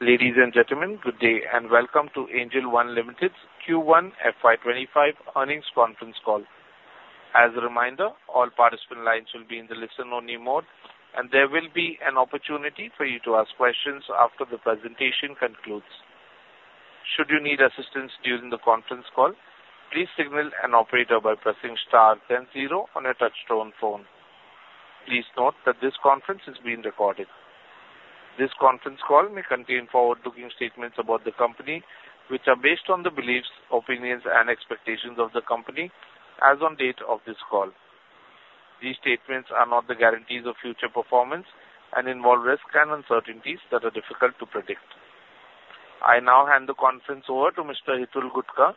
Ladies and gentlemen, good day, and welcome to Angel One Limited's Q1 FY25 earnings conference call. As a reminder, all participant lines will be in the listen-only mode, and there will be an opportunity for you to ask questions after the presentation concludes. Should you need assistance during the conference call, please signal an operator by pressing star then zero on your touchtone phone. Please note that this conference is being recorded. This conference call may contain forward-looking statements about the company, which are based on the beliefs, opinions, and expectations of the company as on date of this call. These statements are not the guarantees of future performance and involve risks and uncertainties that are difficult to predict. I now hand the conference over to Mr. Hitul Gutka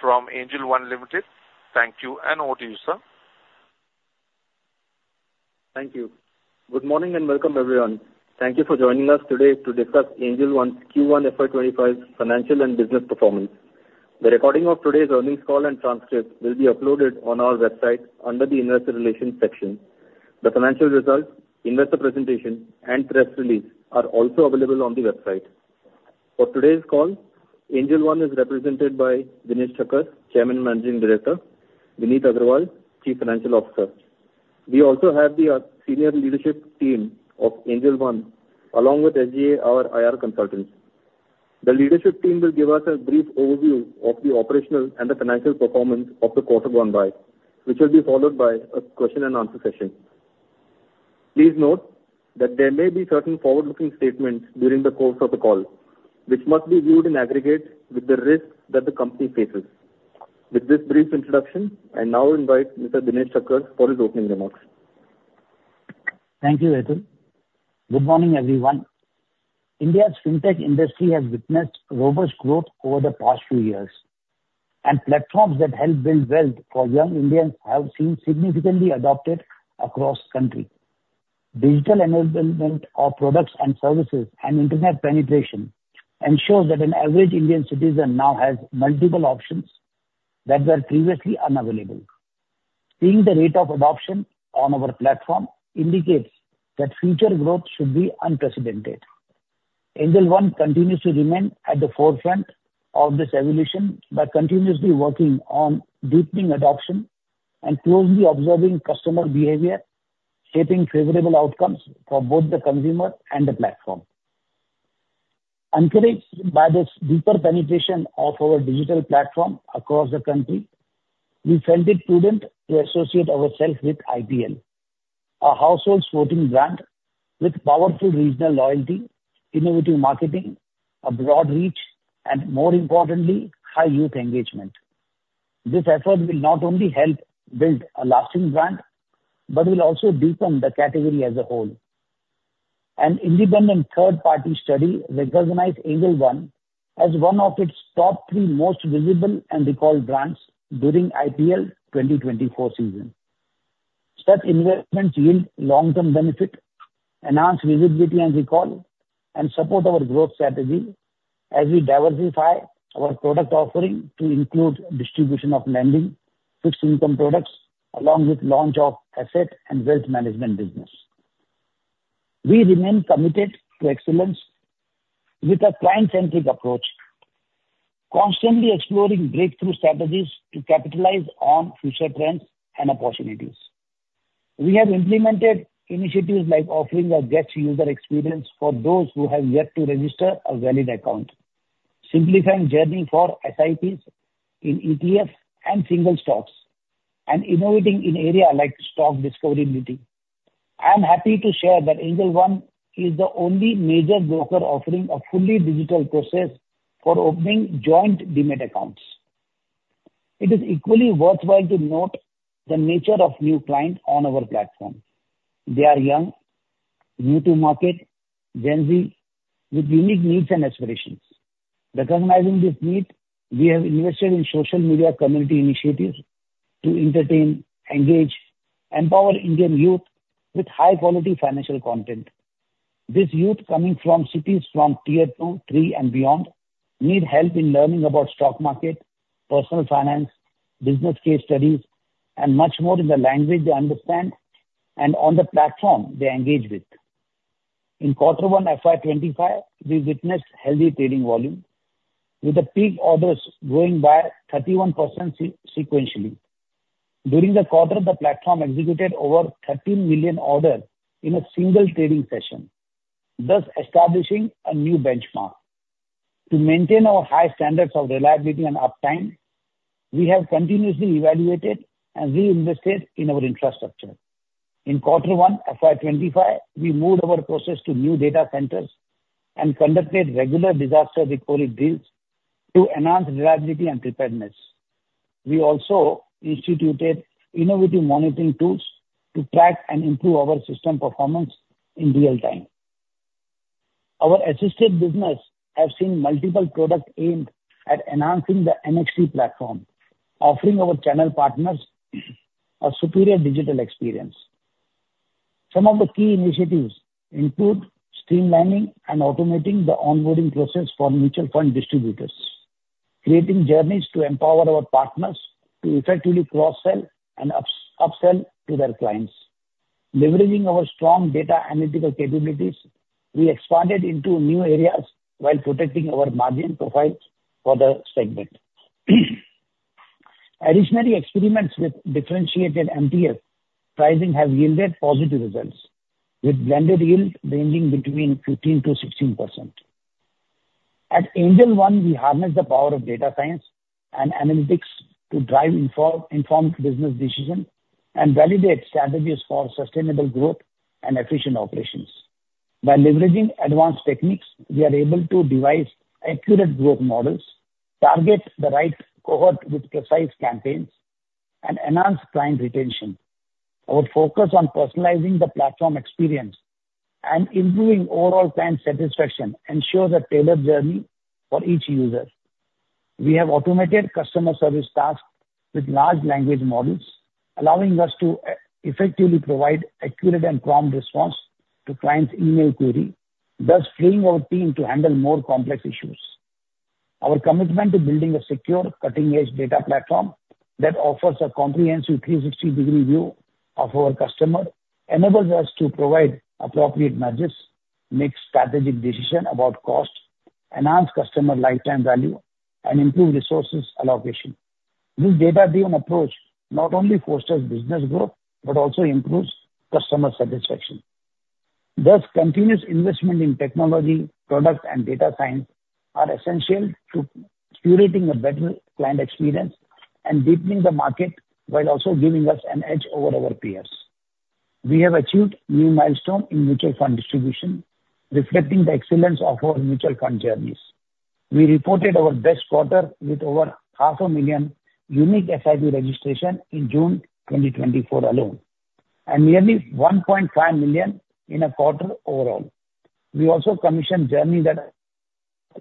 from Angel One Limited. Thank you, and over to you, sir. Thank you. Good morning, and welcome, everyone. Thank you for joining us today to discuss Angel One's Q1 FY25 financial and business performance. The recording of today's earnings call and transcript will be uploaded on our website under the Investor Relations section. The financial results, investor presentation, and press release are also available on the website. For today's call, Angel One is represented by Dinesh Thakkar, Chairman and Managing Director, Vineet Agrawal, Chief Financial Officer. We also have the senior leadership team of Angel One, along with SGA, our IR consultants. The leadership team will give us a brief overview of the operational and the financial performance of the quarter gone by, which will be followed by a question and answer session. Please note that there may be certain forward-looking statements during the course of the call, which must be viewed in aggregate with the risks that the company faces. With this brief introduction, I now invite Mr. Dinesh Thakkar for his opening remarks. Thank you, Hitul. Good morning, everyone. India's fintech industry has witnessed robust growth over the past few years, and platforms that help build wealth for young Indians have seen significantly adopted across country. Digital enablement of products and services and internet penetration ensures that an average Indian citizen now has multiple options that were previously unavailable. Seeing the rate of adoption on our platform indicates that future growth should be unprecedented. Angel One continues to remain at the forefront of this evolution by continuously working on deepening adoption and closely observing customer behavior, shaping favorable outcomes for both the consumer and the platform. Encouraged by this deeper penetration of our digital platform across the country, we felt it prudent to associate ourselves with IPL, a household sporting brand with powerful regional loyalty, innovative marketing, a broad reach, and more importantly, high youth engagement. This effort will not only help build a lasting brand, but will also deepen the category as a whole. An independent third-party study recognized Angel One as one of its top three most visible and recalled brands during IPL 2024 season. Such investments yield long-term benefit, enhance visibility and recall, and support our growth strategy as we diversify our product offering to include distribution of lending, fixed income products, along with launch of asset and wealth management business. We remain committed to excellence with a client-centric approach, constantly exploring breakthrough strategies to capitalize on future trends and opportunities. We have implemented initiatives like offering a guest user experience for those who have yet to register a valid account, simplifying journey for SIPs in ETFs and single stocks, and innovating in area like stock discoverability. I'm happy to share that Angel One is the only major broker offering a fully digital process for opening joint demat accounts. It is equally worthwhile to note the nature of new clients on our platform. They are young, new to market, Gen Z, with unique needs and aspirations. Recognizing this need, we have invested in social media community initiatives to entertain, engage, empower Indian youth with high-quality financial content. This youth coming from cities from tier two, three, and beyond, need help in learning about stock market, personal finance, business case studies, and much more in the language they understand and on the platform they engage with. In Q1 FY25, we witnessed healthy trading volume, with the peak orders growing by 31% sequentially. During the quarter, the platform executed over 13 million orders in a single trading session, thus establishing a new benchmark. To maintain our high standards of reliability and uptime, we have continuously evaluated and reinvested in our infrastructure. In quarter one, FY 25, we moved our process to new data centers and conducted regular disaster recovery drills to enhance reliability and preparedness. We also instituted innovative monitoring tools to track and improve our system performance in real time. Our assisted business have seen multiple product aimed at enhancing the NXT platform, offering our channel partners a superior digital experience. Some of the key initiatives include streamlining and automating the onboarding process for mutual fund distributors.... creating journeys to empower our partners to effectively cross-sell and upsell to their clients. Leveraging our strong data analytical capabilities, we expanded into new areas while protecting our margin profiles for the segment. Additionally, experiments with differentiated MTF pricing have yielded positive results, with blended yield ranging between 15%-16%. At Angel One, we harness the power of data science and analytics to drive informed business decisions and validate strategies for sustainable growth and efficient operations. By leveraging advanced techniques, we are able to devise accurate growth models, target the right cohort with precise campaigns, and enhance client retention. Our focus on personalizing the platform experience and improving overall client satisfaction ensures a tailored journey for each user. We have automated customer service tasks with large language models, allowing us to effectively provide accurate and prompt response to clients' email query, thus freeing our team to handle more complex issues. Our commitment to building a secure, cutting-edge data platform that offers a comprehensive 360-degree view of our customer enables us to provide appropriate margins, make strategic decision about cost, enhance customer lifetime value, and improve resources allocation. This data-driven approach not only fosters business growth, but also improves customer satisfaction. Thus, continuous investment in technology, product, and data science are essential to curating a better client experience and deepening the market while also giving us an edge over our peers. We have achieved new milestone in mutual fund distribution, reflecting the excellence of our mutual fund journeys. We reported our best quarter with over 500,000 unique SIP registration in June 2024 alone, and nearly 1.5 million in a quarter overall. We also commissioned journey that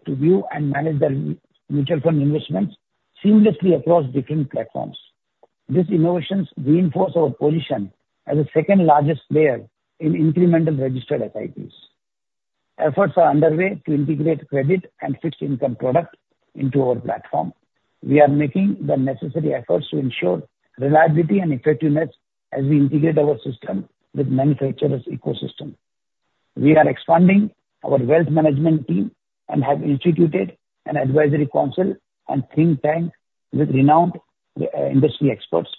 to view and manage their mutual fund investments seamlessly across different platforms. These innovations reinforce our position as the second largest player in incremental registered SIPs. Efforts are underway to integrate credit and fixed income product into our platform. We are making the necessary efforts to ensure reliability and effectiveness as we integrate our system with manufacturers' ecosystem. We are expanding our wealth management team and have instituted an advisory council and think tank with renowned industry experts.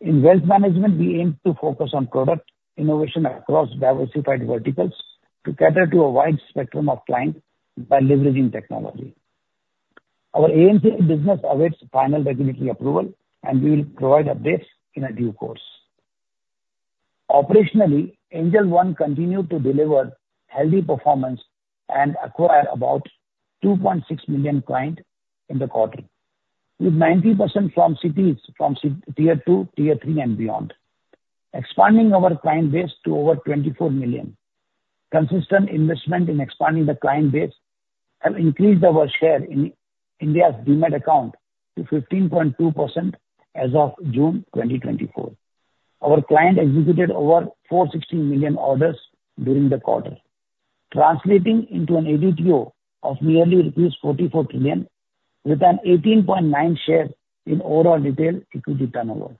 In wealth management, we aim to focus on product innovation across diversified verticals to cater to a wide spectrum of client by leveraging technology. Our AMC business awaits final regulatory approval, and we will provide updates in due course. Operationally, Angel One continued to deliver healthy performance and acquire about 2.6 million client in the quarter, with 90% from cities, from Tier 2, Tier 3, and beyond, expanding our client base to over 24 million. Consistent investment in expanding the client base have increased our share in India's Demat account to 15.2% as of June 2024. Our clients executed over 416 million orders during the quarter, translating into an ADTO of nearly rupees 44 trillion, with an 18.9% share in overall retail equity turnover.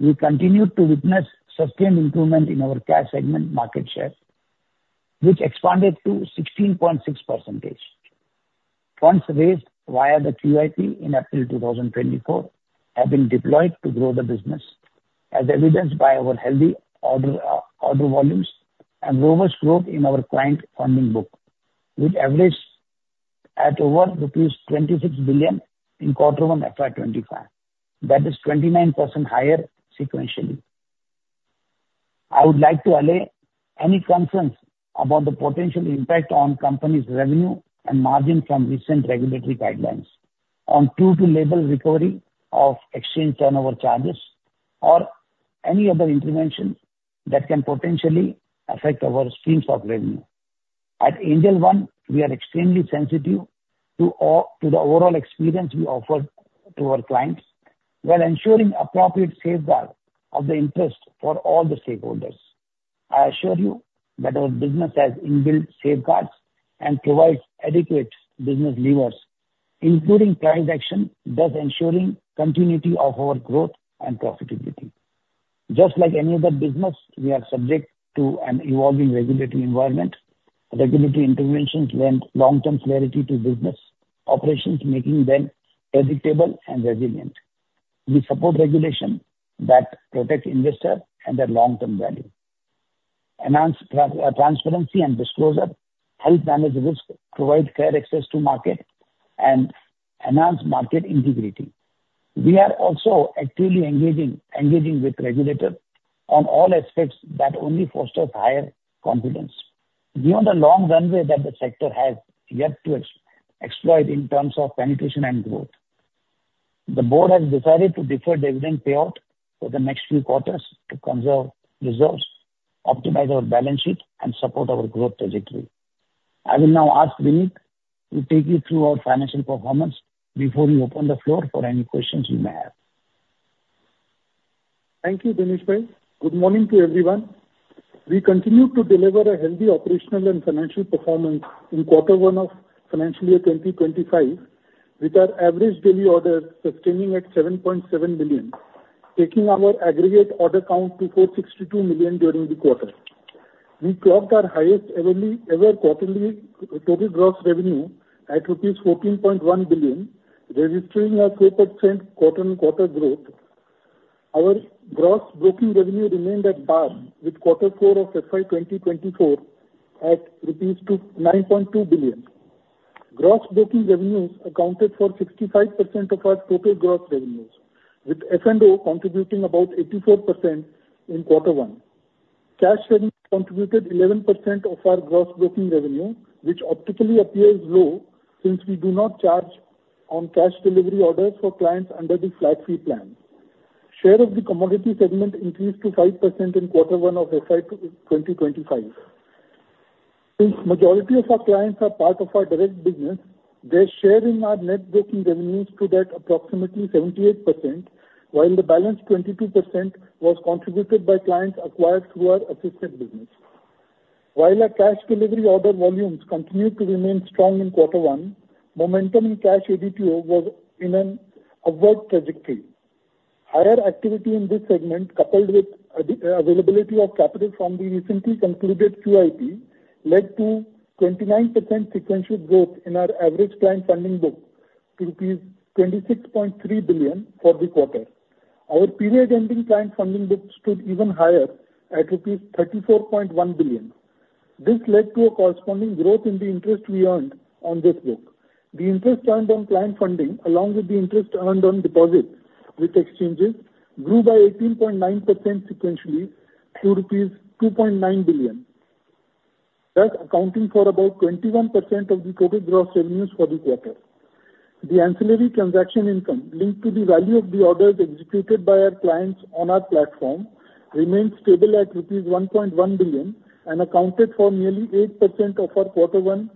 We continue to witness sustained improvement in our cash segment market share, which expanded to 16.6%. Funds raised via the QIP in April 2024 have been deployed to grow the business, as evidenced by our healthy order, order volumes and robust growth in our client funding book, which averaged at over rupees 26 billion in Quarter 1 FY25. That is 29% higher sequentially. I would like to allay any concerns about the potential impact on company's revenue and margin from recent regulatory guidelines on True to Label recovery of exchange turnover charges or any other intervention that can potentially affect our streams of revenue. At Angel One, we are extremely sensitive to the overall experience we offer to our clients, while ensuring appropriate safeguard of the interest for all the stakeholders. I assure you that our business has inbuilt safeguards and provides adequate business levers, including transaction, thus ensuring continuity of our growth and profitability. Just like any other business, we are subject to an evolving regulatory environment. Regulatory interventions lend long-term clarity to business operations, making them predictable and resilient. We support regulation that protect investor and their long-term value, enhance transparency and disclosure, help manage risk, provide fair access to market, and enhance market integrity. We are also actively engaging with regulators on all aspects that only fosters higher confidence, given the long runway that the sector has yet to exploit in terms of penetration and growth. The board has decided to defer dividend payout for the next few quarters to conserve reserves, optimize our balance sheet, and support our growth trajectory. I will now ask Vineet to take you through our financial performance before we open the floor for any questions you may have.... Thank you, Dinesh Thakkar. Good morning to everyone. We continue to deliver a healthy operational and financial performance in quarter 1 of financial year 2025, with our average daily orders sustaining at 7.7 billion, taking our aggregate order count to 462 million during the quarter. We clocked our highest ever quarterly total gross revenue at rupees 14.1 billion, registering a 4% quarter-on-quarter growth. Our gross broking revenue remained at par with quarter 4 of FY 2024 at 29.2 billion rupees. Gross broking revenues accounted for 65% of our total gross revenues, with F&O contributing about 84% in quarter 1. Cash segment contributed 11% of our gross broking revenue, which optically appears low since we do not charge on cash delivery orders for clients under the flat fee plan. Share of the commodity segment increased to 5% in quarter 1 of FY 2025. Since majority of our clients are part of our direct business, their share in our net broking revenues stood at approximately 78%, while the balance 22% was contributed by clients acquired through our assisted business. While our cash delivery order volumes continued to remain strong in quarter 1, momentum in cash ADTO was in an upward trajectory. Higher activity in this segment, coupled with availability of capital from the recently concluded QIP, led to 29% sequential growth in our average client funding book to rupees 26.3 billion for the quarter. Our period-ending client funding book stood even higher at rupees 34.1 billion. This led to a corresponding growth in the interest we earned on this book. The interest earned on client funding, along with the interest earned on deposits with exchanges, grew by 18.9% sequentially to rupees 2.9 billion. That's accounting for about 21% of the total gross revenues for the quarter. The ancillary transaction income linked to the value of the orders executed by our clients on our platform remained stable at rupees 1.1 billion, and accounted for nearly 8% of our quarter one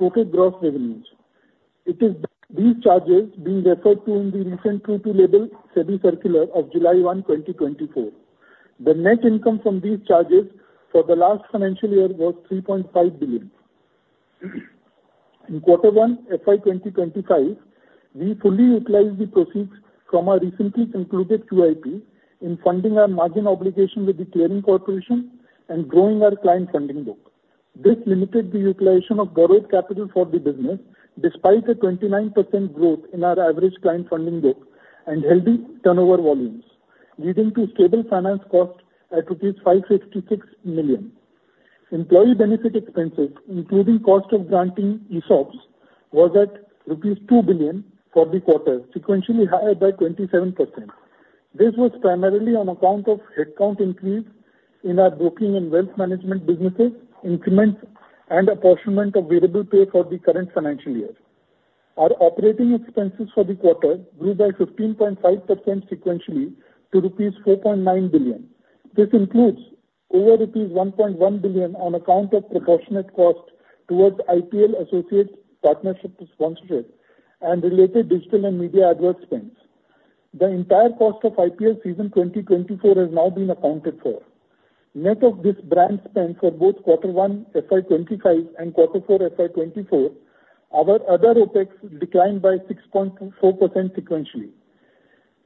total gross revenues. It is these charges being referred to in the recent true to label SEBI circular of July 1, 2024. The net income from these charges for the last financial year was 3.5 billion. In quarter one, FY 2025, we fully utilized the proceeds from our recently concluded QIP in funding our margin obligation with the clearing corporation and growing our client funding book. This limited the utilization of borrowed capital for the business despite a 29% growth in our average client funding book and healthy turnover volumes, leading to stable finance cost at rupees 556 million. Employee benefit expenses, including cost of granting ESOPs, was at rupees 2 billion for the quarter, sequentially higher by 27%. This was primarily on account of headcount increase in our broking and wealth management businesses, increments and apportionment of variable pay for the current financial year. Our operating expenses for the quarter grew by 15.5% sequentially to rupees 4.9 billion. This includes over rupees 1.1 billion on account of proportionate cost towards IPL associate partnership sponsorship and related digital and media advert spends. The entire cost of IPL season 2024 has now been accounted for. Net of this brand spend for both Q1, FY25 and Q4, FY24, our other OpEx declined by 6.4% sequentially.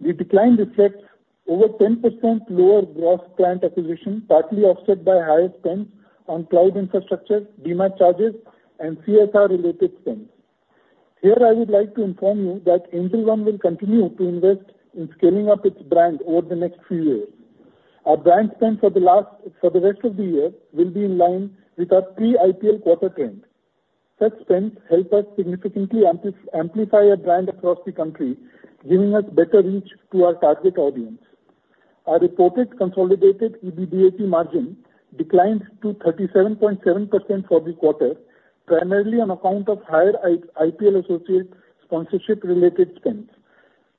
The decline reflects over 10% lower gross client acquisition, partly offset by higher spends on cloud infrastructure, Demat charges and CSR related spends. Here, I would like to inform you that Angel One will continue to invest in scaling up its brand over the next few years. Our brand spend for the rest of the year will be in line with our pre-IPL quarter trend. Such spends help us significantly amplify our brand across the country, giving us better reach to our target audience. Our reported consolidated EBITDA margin declined to 37.7% for the quarter, primarily on account of higher IPL associate sponsorship related spends.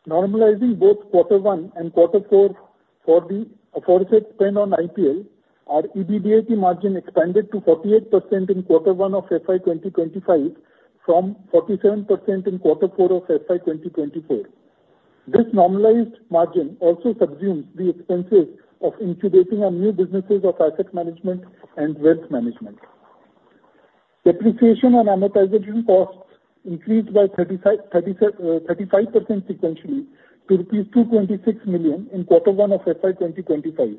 Normalizing both quarter one and quarter four for the aforesaid spend on IPL, our EBITDA margin expanded to 48% in quarter one of FY 2025 from 47% in quarter four of FY 2024. This normalized margin also subsumes the expenses of incubating our new businesses of asset management and wealth management. Depreciation and amortization costs increased by 35% sequentially to rupees 226 million in quarter one of FY 2025,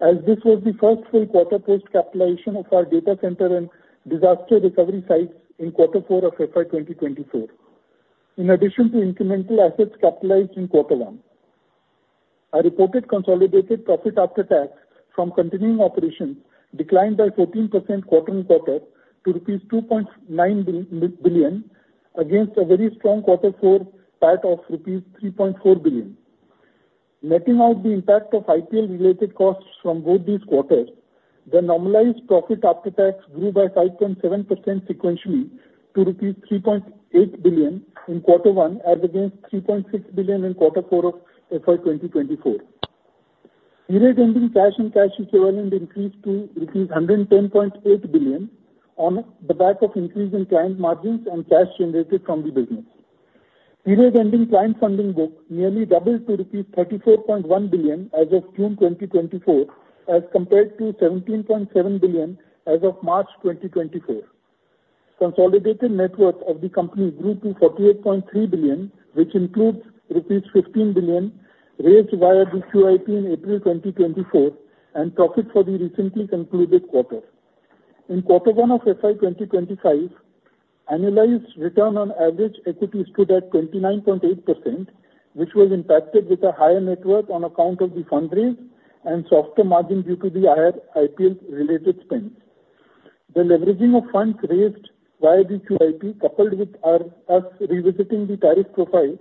as this was the first full quarter post capitalization of our data center and disaster recovery sites in quarter four of FY 2024, in addition to incremental assets capitalized in quarter one. Our reported consolidated profit after tax from continuing operations declined by 14% quarter-over-quarter to rupees 2.9 billion, against a very strong quarter four PAT of rupees 3.4 billion. Netting out the impact of IPL related costs from both these quarters, the normalized profit after tax grew by 5.7% sequentially to rupees 3.8 billion in quarter one, as against 3.6 billion in quarter four of FY 2024. Year-ending cash and cash equivalent increased to rupees 110.8 billion on the back of increase in client margins and cash generated from the business. Period ending client funding book nearly doubled to rupees 34.1 billion as of June 2024, as compared to 17.7 billion as of March 2024. Consolidated net worth of the company grew to 48.3 billion, which includes rupees 15 billion raised via the QIP in April 2024, and profit for the recently concluded quarter. In quarter 1 of FY 2025, annualized return on average equity stood at 29.8%, which was impacted with a higher net worth on account of the fundraise and softer margin due to the higher IPL-related spends. The leveraging of funds raised via the QIP, coupled with us revisiting the tariff profile,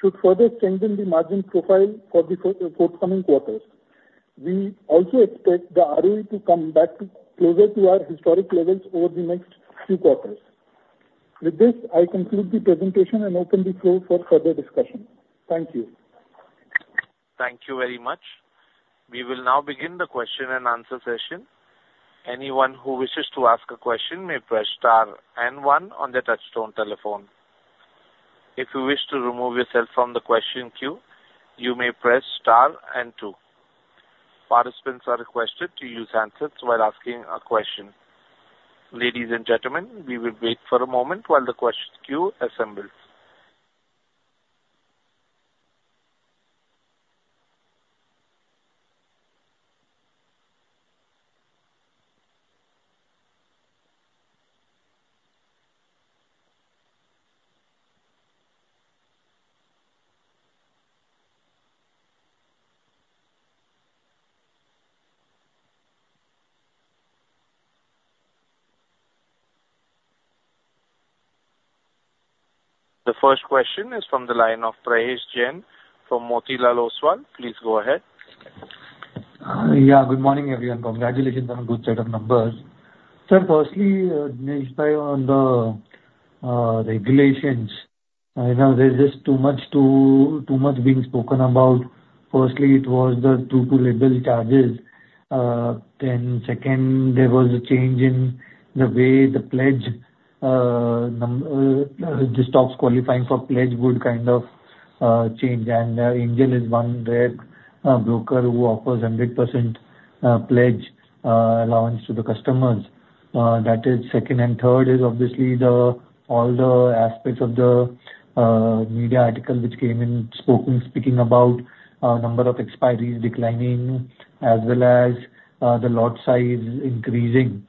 should further strengthen the margin profile for the forthcoming quarters. We also expect the ROE to come back to closer to our historic levels over the next few quarters. With this, I conclude the presentation and open the floor for further discussion. Thank you. Thank you very much. We will now begin the question and answer session. Anyone who wishes to ask a question may press star and one on their touchtone telephone. If you wish to remove yourself from the question queue, you may press star and two. Participants are requested to use handsets while asking a question. Ladies and gentlemen, we will wait for a moment while the question queue assembles. The first question is from the line of Prayesh Jain from Motilal Oswal. Please go ahead. Yeah. Good morning, everyone. Congratulations on good set of numbers. So firstly, Dinesh, on the regulations, you know, there's just too much being spoken about. Firstly, it was the True to Label charges. Then second, there was a change in the way the pledge, the stocks qualifying for pledge would kind of change. And Angel One is one rare broker who offers 100% pledge allowance to the customers, that is second. And third is obviously all the aspects of the media article which came in spoken, speaking about number of expiries declining as well as the lot size increasing.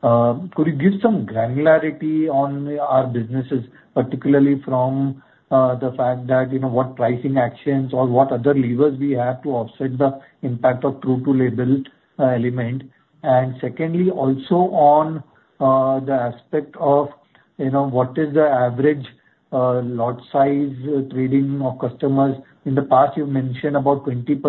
Could you give some granularity on our businesses, particularly from the fact that, you know, what pricing actions or what other levers we have to offset the impact of True to Label element? And secondly, also on the aspect of, you know, what is the average lot size trading of customers. In the past, you've mentioned about 20%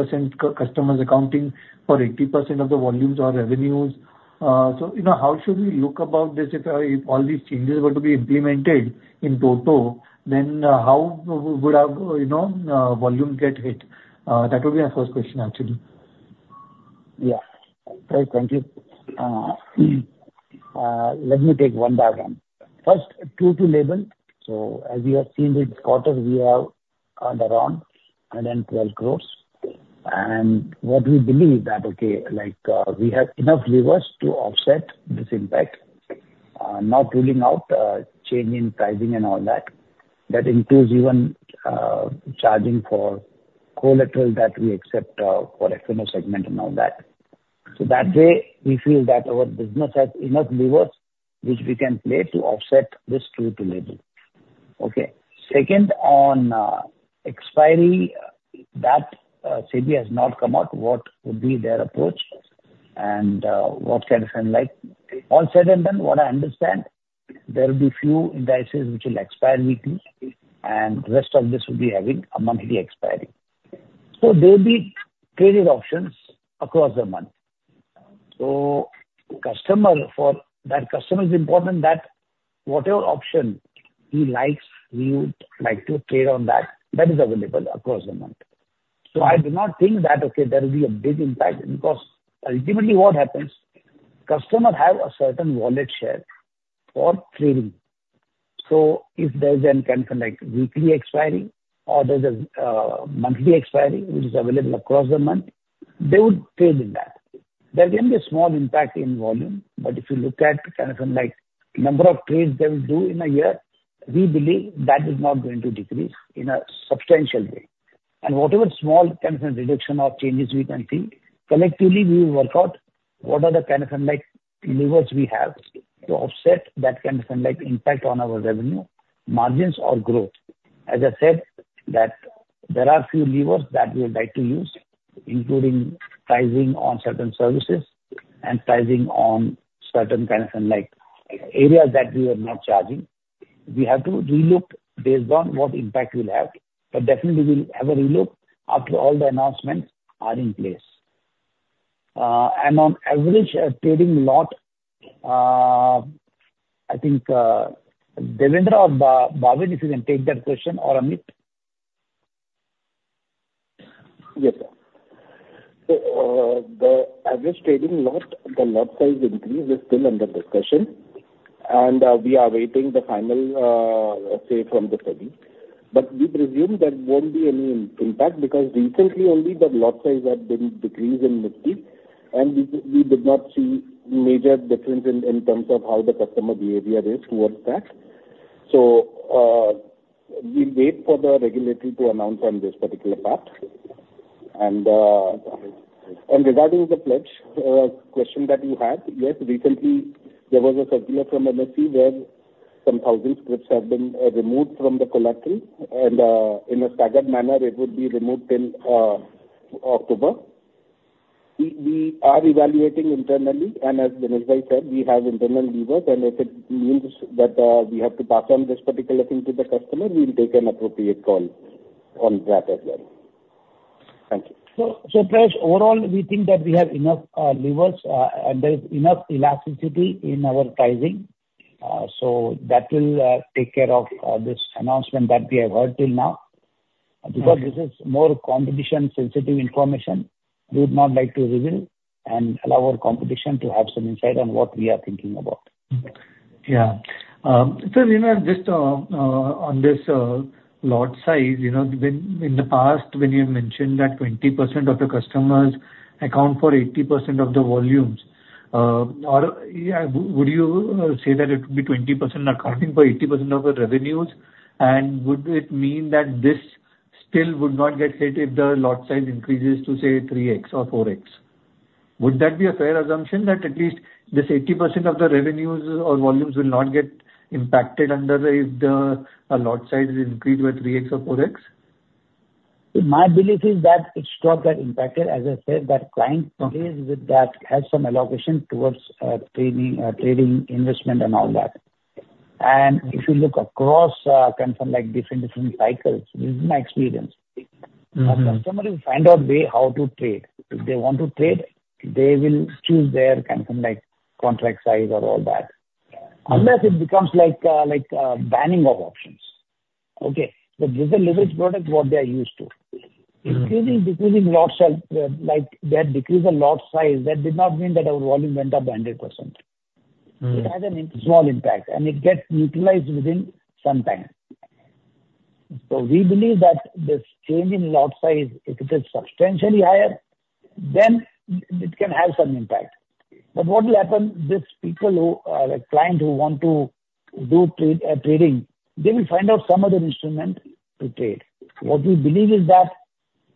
customers accounting for 80% of the volumes or revenues. So, you know, how should we look about this if all these changes were to be implemented in total, then how would our, you know, volume get hit? That would be my first question, actually. Yeah. Right. Thank you. Let me take one by one. First, True to Label. So as you have seen this quarter, we have around 112 crore. And what we believe that, okay, like, we have enough levers to offset this impact, not ruling out change in pricing and all that. That includes even charging for collateral that we accept for F&O segment and all that. So that way, we feel that our business has enough levers which we can play to offset this True to Label. Okay. Second, on expiry, that SEBI has not come out, what would be their approach and what kind of like... All said and done, what I understand, there will be few indices which will expire weekly, and rest of this will be having a monthly expiry. So there'll be trading options across the month. So for that customer, it's important that whatever option he likes, we would like to trade on that. That is available across the month. So I do not think that, okay, there will be a big impact because ultimately what happens, customer have a certain wallet share for trading. So if there is a kind of like weekly expiry or there's a monthly expiry which is available across the month, they would trade in that. There can be a small impact in volume, but if you look at kind of like number of trades they will do in a year, we believe that is not going to decrease in a substantial way. And whatever small kind of reduction or changes we can see, collectively, we will work out what are the kind of like levers we have to offset that kind of like impact on our revenue, margins or growth. As I said, that there are few levers that we would like to use, including pricing on certain services and pricing on certain kind of like areas that we are not charging. We have to relook based on what impact we'll have, but definitely we'll have a relook after all the announcements are in place. And on average trading lot, I think, Devender or Bhavin, if you can take that question, or Amit? The average trading lot, the lot size increase is still under discussion, and we are awaiting the final say from the SEBI. But we presume there won't be any impact, because recently only the lot size had been decreased in Nifty, and we, we did not see major difference in terms of how the customer behavior is towards that. So, we wait for the regulator to announce on this particular part. And, and regarding the pledge question that you had, yes, recently there was a circular from NSE where some thousand scrips have been removed from the collateral, and in a staggered manner, it would be removed in October. We are evaluating internally, and as Dinesh said, we have internal levers, and if it means that, we have to pass on this particular thing to the customer, we'll take an appropriate call on that as well. Thank you. So, Prayesh, overall, we think that we have enough levers and there is enough elasticity in our pricing, so that will take care of this announcement that we have heard till now. Because this is more competition-sensitive information, we would not like to reveal and allow our competition to have some insight on what we are thinking about. Mm-hmm. Yeah. So, you know, just on this lot size, you know, when in the past, when you mentioned that 20% of the customers account for 80% of the volumes, or, yeah, would you say that it would be 20% accounting for 80% of the revenues? And would it mean that this still would not get hit if the lot size increases to, say, 3x or 4x? Would that be a fair assumption, that at least this 80% of the revenues or volumes will not get impacted if the lot size is increased by 3x or 4x? My belief is that it's not that impacted. As I said, that client agrees with that, has some allocation towards trading, trading investment and all that. And if you look across, kind of like different, different cycles, this is my experience- Mm-hmm. Our customers find a way how to trade. If they want to trade, they will choose their kind of like contract size or all that. Unless it becomes like, like, banning of options, okay? But this is a leverage product, what they are used to. Mm. Increasing, decreasing lot size, like, that decrease of lot size, that did not mean that our volume went up 100%. Mm. It has a small impact, and it gets utilized within some time. So we believe that this change in lot size, if it is substantially higher, then it can have some impact. But what will happen, these people who, like client who want to do trading, they will find out some other instrument to trade. What we believe is that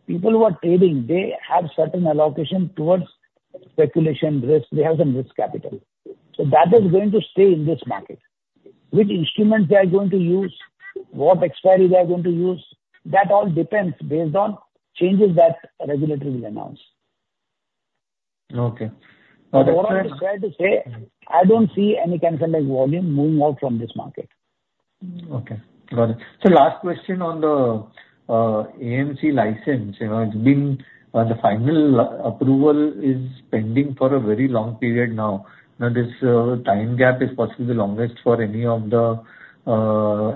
people who are trading, they have certain allocation towards speculation risk. They have some risk capital. So that is going to stay in this market. Which instrument they are going to use, what expiry they are going to use, that all depends based on changes that regulator will announce. Okay. But- What I'm trying to say, I don't see any kind of like volume moving out from this market. Okay. Got it. So last question on the AMC license. You know, it's been the final approval is pending for a very long period now. Now, this time gap is possibly the longest for any of the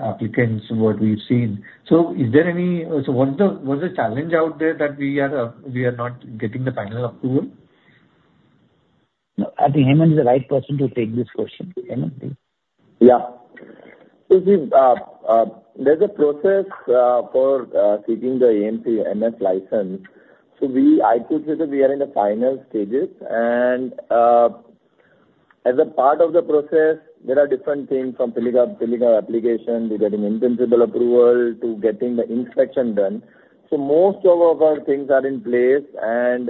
applicants, what we've seen. So is there any? So what's the challenge out there that we are not getting the final approval? I think Hemant is the right person to take this question. Hemant, please. Yeah. So this, there's a process for seeking the AMC MF license. So we, I could say that we are in the final stages, and as a part of the process, there are different things, from filling an application to getting in-principle approval to getting the inspection done. So most of our things are in place, and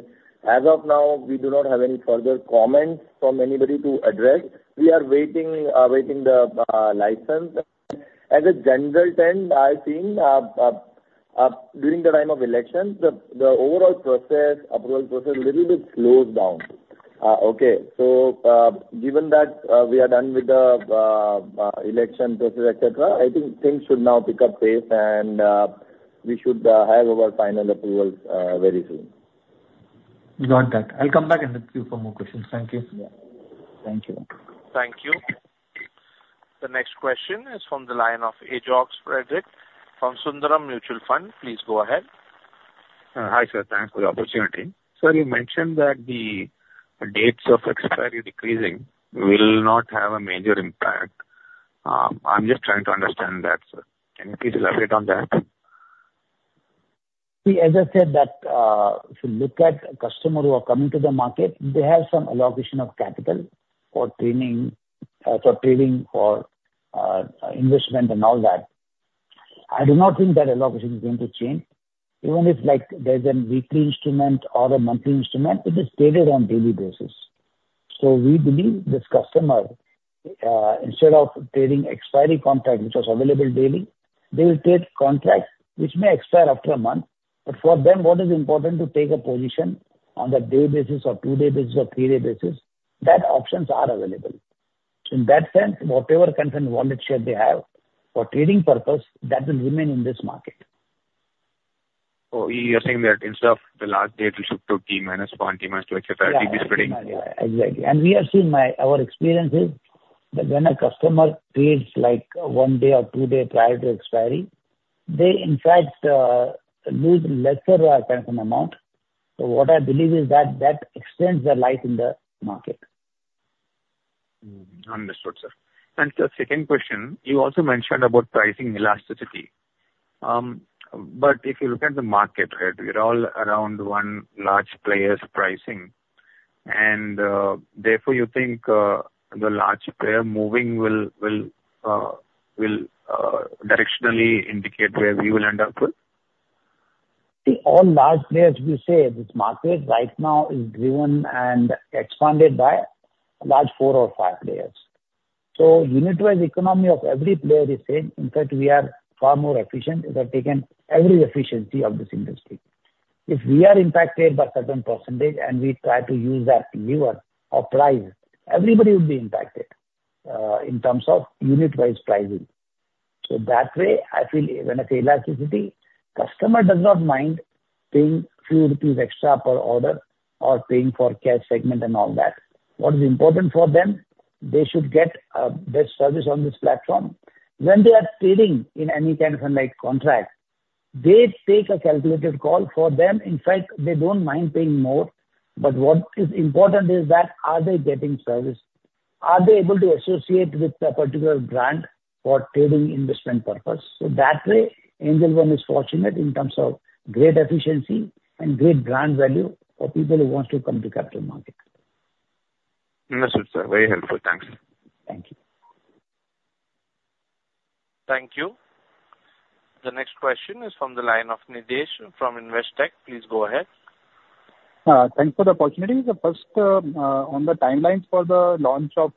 as of now, we do not have any further comments from anybody to address. We are waiting the license. As a general trend, I think during the time of elections, the overall process, approval process, little bit slows down. Okay, so given that we are done with the election process, et cetera, I think things should now pick up pace, and we should have our final approvals very soon. Got that. I'll come back to you for more questions. Thank you. Yeah. Thank you. Thank you. The next question is from the line of Ajok Frederick from Sundaram Mutual Fund. Please go ahead. Hi, sir, thanks for the opportunity. Sir, you mentioned that the dates of expiry decreasing will not have a major impact. I'm just trying to understand that, sir. Can you please elaborate on that? See, as I said, that if you look at customers who are coming to the market, they have some allocation of capital for trading, for investment and all that. I do not think that allocation is going to change. Even if, like, there's a weekly instrument or a monthly instrument, it is traded on daily basis. So we believe these customers, instead of trading expiry contract, which was available daily, they will take contracts which may expire after a month, but for them, what is important to take a position on the day basis or two-day basis or three-day basis, that options are available. So in that sense, whatever kind of wallet share they have, for trading purpose, that will remain in this market. You're saying that instead of the last day, it will shift to T minus one, T minus two expiry, we'll be spreading? Yeah. Yeah, yeah, exactly. And we have seen my-- our experience is, that when a customer trades, like, one day or two day prior to expiry-... they in fact, lose lesser amount. So what I believe is that, that extends their life in the market. Mm-hmm. Understood, sir. And the second question, you also mentioned about pricing elasticity. But if you look at the market, right, we're all around one large player's pricing, and therefore, you think the large player moving will directionally indicate where we will end up with? See, all large players we say, this market right now is driven and expanded by large four or five players. So unit economics of every player is same. In fact, we are far more efficient, we have taken every efficiency of this industry. If we are impacted by certain percentage, and we try to use that lever or price, everybody will be impacted in terms of unit-wise pricing. So that way, I feel when it's elasticity, customer does not mind paying few rupees extra per order or paying for cash segment and all that. What is important for them? They should get best service on this platform. When they are trading in any kind of like contract, they take a calculated call for them. In fact, they don't mind paying more, but what is important is that are they getting service? Are they able to associate with a particular brand for trading investment purpose? So that way, Angel One is fortunate in terms of great efficiency and great brand value for people who want to come to capital market. Understood, sir. Very helpful. Thanks. Thank you. Thank you. The next question is from the line of Nidhesh from Investec. Please go ahead. Thanks for the opportunity. The first, on the timelines for the launch of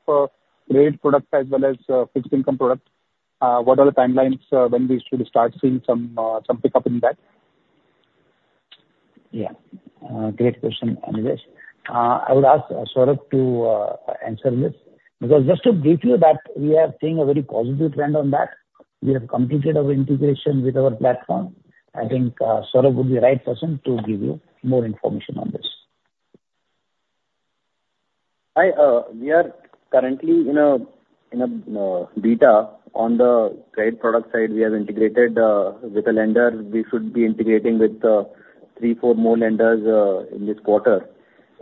trade product as well as fixed income product, what are the timelines when we should start seeing some pickup in that? Yeah. Great question, Nidhesh. I would ask, Saurabh to, answer this. Because just to brief you that we are seeing a very positive trend on that. We have completed our integration with our platform. I think, Saurabh would be the right person to give you more information on this. Hi, we are currently in a beta. On the trade product side, we have integrated with the lender. We should be integrating with 3, 4 more lenders in this quarter,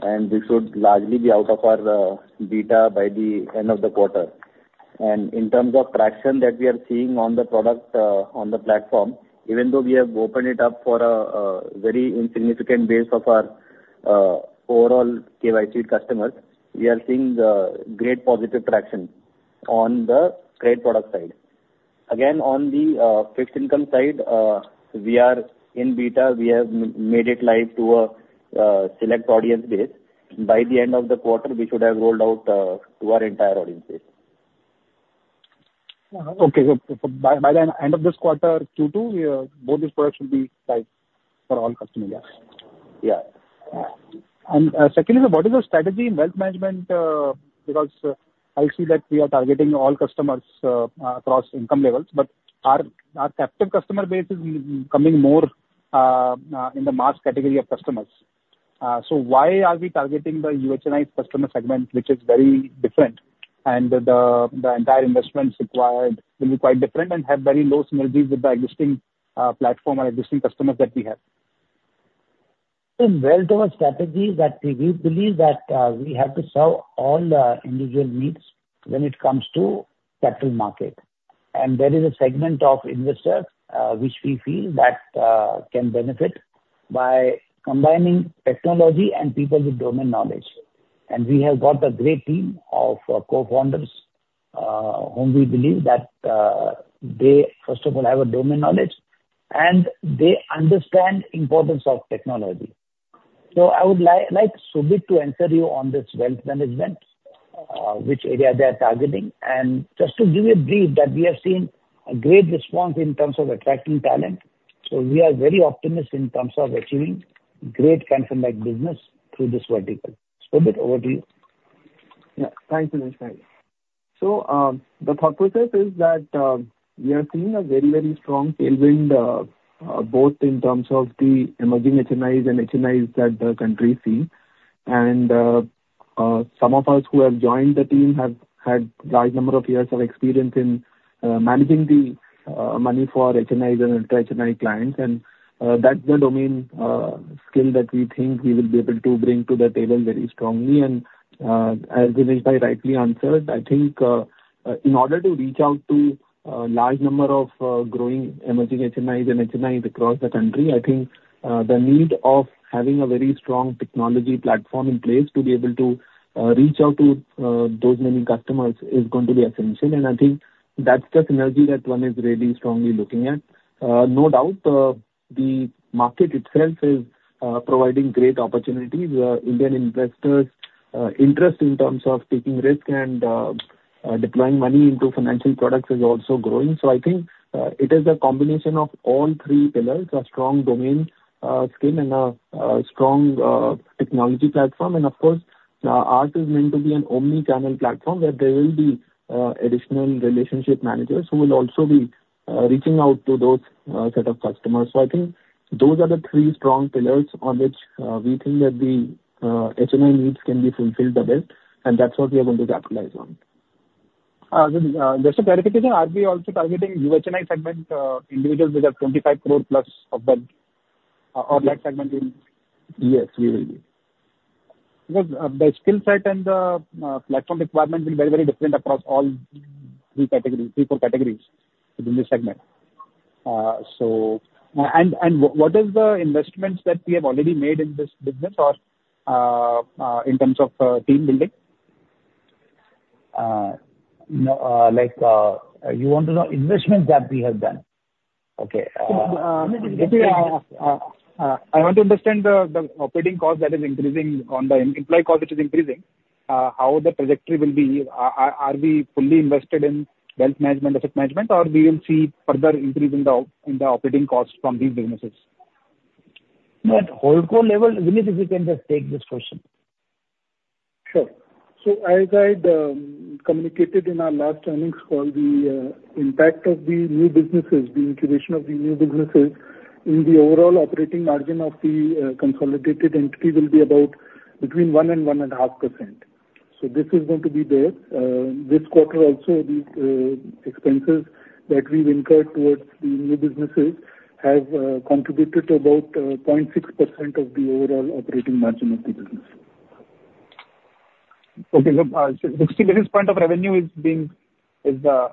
and we should largely be out of our beta by the end of the quarter. In terms of traction that we are seeing on the product on the platform, even though we have opened it up for a very insignificant base of our overall KYC customers, we are seeing great positive traction on the trade product side. Again, on the fixed income side, we are in beta. We have made it live to a select audience base. By the end of the quarter, we should have rolled out to our entire audience base. Okay. So by the end of this quarter Q2, both these products should be live for all customers? Yeah. Yeah. Secondly, what is your strategy in wealth management? Because I see that we are targeting all customers across income levels, but our captive customer base is becoming more in the mass category of customers. So why are we targeting the UHNIs customer segment, which is very different, and the entire investments required will be quite different and have very low synergies with the existing platform and existing customers that we have? In wealth, our strategy is that we, we believe that we have to serve all the individual needs when it comes to capital market. And there is a segment of investors, which we feel that can benefit by combining technology and people with domain knowledge. And we have got a great team of co-founders, whom we believe that they, first of all, have a domain knowledge, and they understand importance of technology. So I would like Shobhit to answer you on this wealth management, which area they are targeting. And just to give you a brief, that we have seen a great response in terms of attracting talent, so we are very optimistic in terms of achieving great consumer-like business through this vertical. Shobhit, over to you. Yeah. Thank you, Dinesh. The thought process is that, we are seeing a very, very strong tailwind, both in terms of the emerging HNIs and HNIs that the country see. Some of us who have joined the team have had large number of years of experience in, managing the, money for HNI and ultra HNI clients, and, that's the domain, skill that we think we will be able to bring to the table very strongly. As Dinesh rightly answered, I think, in order to reach out to a large number of, growing emerging HNIs and HNIs across the country, I think, the need of having a very strong technology platform in place to be able to, reach out to, those many customers, is going to be essential. I think that's the synergy that one is really strongly looking at. No doubt, the market itself is providing great opportunities where Indian investors interest in terms of taking risk and deploying money into financial products is also growing. I think it is a combination of all three pillars: a strong domain skill and a strong technology platform. Of course, ours is meant to be an omni-channel platform, where there will be additional relationship managers who will also be reaching out to those set of customers. I think those are the three strong pillars on which we think that the HNI needs can be fulfilled the best, and that's what we are going to capitalize on.... just a clarification, are we also targeting UHNIs segment, individuals with 25 crore+ of wealth or, or that segment in? Yes, we will be. Because, the skill set and the platform requirement will be very, very different across all three categories, three, four categories within this segment. So and, and what is the investments that we have already made in this business or, in terms of, team building? No, like, you want to know investments that we have done? Okay, I want to understand the operating cost that is increasing on the employee cost, which is increasing, how the trajectory will be. Are we fully invested in wealth management, asset management, or we will see further increase in the operating costs from these businesses? At holdco level, Vineet, if you can just take this question. Sure. So as I'd communicated in our last earnings call, the impact of the new businesses, the incubation of the new businesses in the overall operating margin of the consolidated entity will be about between 1 and 1.5%. So this is going to be there. This quarter also, the expenses that we've incurred towards the new businesses have contributed to about 0.6% of the overall operating margin of the business. Okay. Look, 60 basis point of revenue is being, is the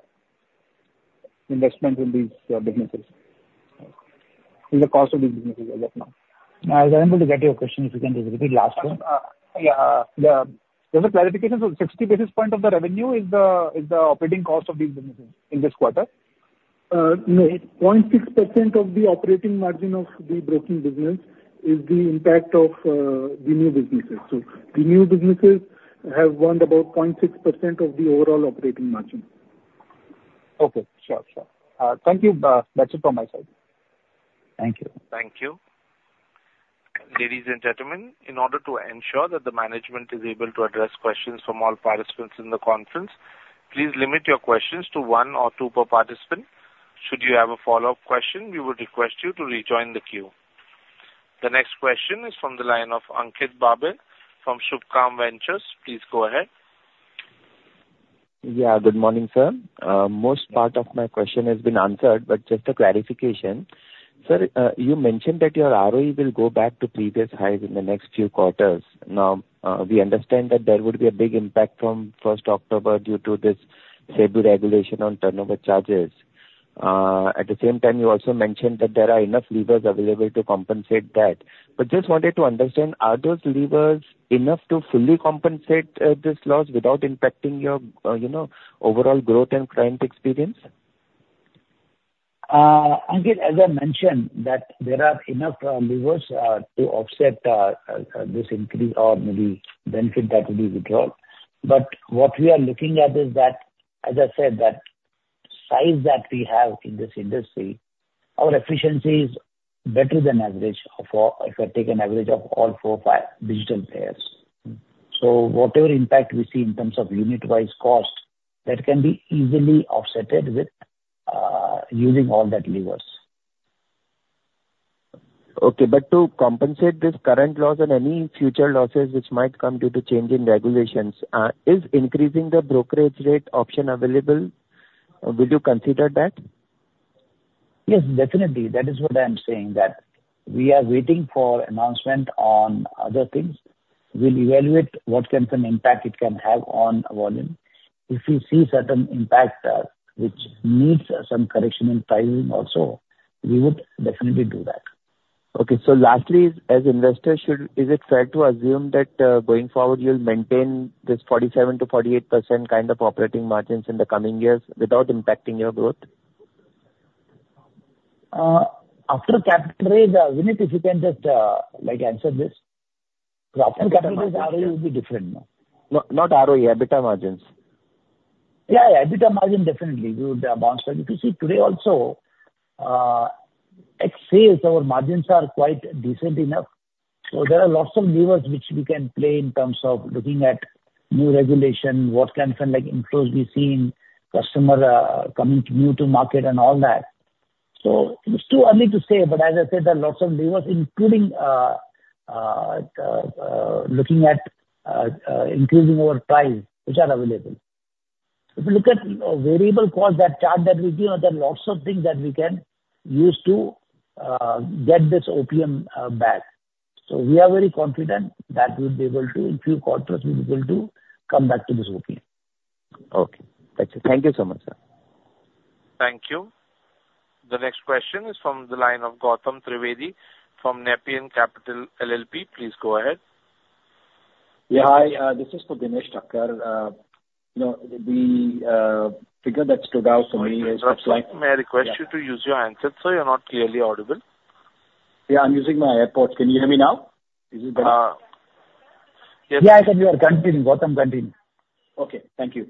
investment in these businesses, in the cost of these businesses as of now. I was unable to get your question. If you can just repeat last one. Yeah. Just a clarification. So 60 basis points of the revenue is the operating cost of these businesses in this quarter? No. 0.6% of the operating margin of the broking business is the impact of the new businesses. So the new businesses have won about 0.6% of the overall operating margin. Okay. Sure, sure. Thank you. That's it from my side. Thank you. Thank you. Ladies and gentlemen, in order to ensure that the management is able to address questions from all participants in the conference, please limit your questions to one or two per participant. Should you have a follow-up question, we would request you to rejoin the queue. The next question is from the line of Ankit Babel from Subhkam Ventures. Please go ahead. Yeah, good morning, sir. Most part of my question has been answered, but just a clarification. Sir, you mentioned that your ROE will go back to previous highs in the next few quarters. Now, we understand that there would be a big impact from first October due to this SEBI regulation on turnover charges. At the same time, you also mentioned that there are enough levers available to compensate that. But just wanted to understand, are those levers enough to fully compensate this loss without impacting your, you know, overall growth and client experience? Ankit, as I mentioned, that there are enough levers to offset this increase or maybe benefit that will be withdrawn. But what we are looking at is that, as I said, that size that we have in this industry, our efficiency is better than average of all. If I take an average of all four, five digital players. So whatever impact we see in terms of unit-wise costs, that can be easily offset with using all that levers. Okay. But to compensate this current loss and any future losses which might come due to change in regulations, is increasing the brokerage rate option available? Will you consider that? Yes, definitely. That is what I am saying, that we are waiting for announcement on other things. We'll evaluate what kind of an impact it can have on volume. If we see certain impact, which needs some correction in pricing also, we would definitely do that. Okay. Lastly, as investors should... Is it fair to assume that, going forward, you'll maintain this 47%-48% kind of operating margins in the coming years without impacting your growth? After capital raise, Vineet, if you can just, like, answer this. Because after capital raise, ROE will be different, no? No, not ROE, EBITDA margins. Yeah, EBITDA margin, definitely we would bounce back. If you see today also, at sales, our margins are quite decent enough. So there are lots of levers which we can play in terms of looking at new regulation, what kinds of like improves we see in customer, coming new to market and all that. So it's too early to say, but as I said, there are lots of levers, including, looking at, increasing our price, which are available. If you look at, variable cost, that chart that we give, there are lots of things that we can use to, get this OPM, back. So we are very confident that we'll be able to, in few quarters, we'll be able to come back to this OPM. Okay. That's it. Thank you so much, sir. Thank you. The next question is from the line of Gautam Trivedi from Nepean Capital LLP. Please go ahead. Yeah, hi, this is for Dinesh Thakkar. You know, the figure that stood out for me is- May I request you to use your handset, sir? You're not clearly audible. Yeah, I'm using my AirPods. Can you hear me now? Is it better? Uh, yes. Yeah, I can hear. Continue, Gautam, continue. Okay. Thank you.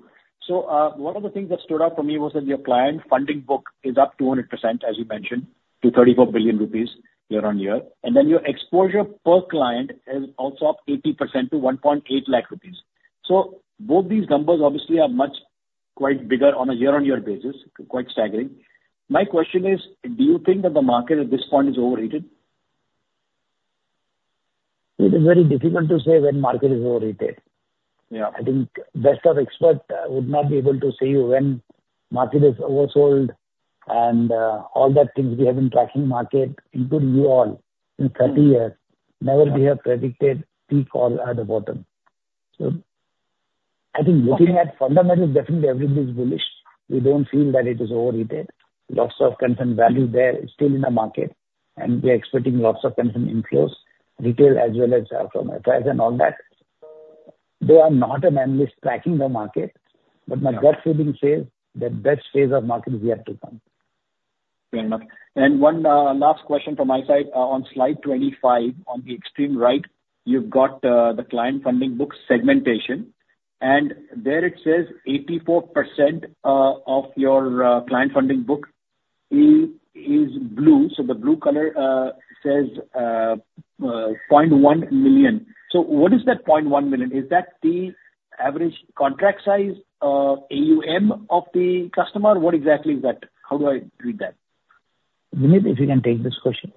So, one of the things that stood out for me was that your client funding book is up 200%, as you mentioned, to 34 billion rupees year-on-year, and then your exposure per client is also up 80% to 1.8 lakh rupees. So both these numbers obviously are much, quite bigger on a year-on-year basis, quite staggering. My question is, do you think that the market at this point is overrated?... It is very difficult to say when market is overheated. Yeah. I think best of expert would not be able to say when market is oversold and all that things we have been tracking market, including you all, in 30 years, never we have predicted peak all at the bottom. So I think looking at fundamentals, definitely everything is bullish. We don't feel that it is overheated. Lots of concerned value there is still in the market, and we are expecting lots of concern inflows, retail as well as from and all that. They are not an analyst tracking the market, but my gut feeling says the best phase of market is yet to come. Fair enough. One last question from my side. On slide 25, on the extreme right, you've got the client funding book segmentation, and there it says 84% of your client funding book is blue. So the blue color says 0.1 million. So what is that 0.1 million? Is that the average contract size, AUM of the customer? What exactly is that? How do I read that? Vineet, if you can take this question.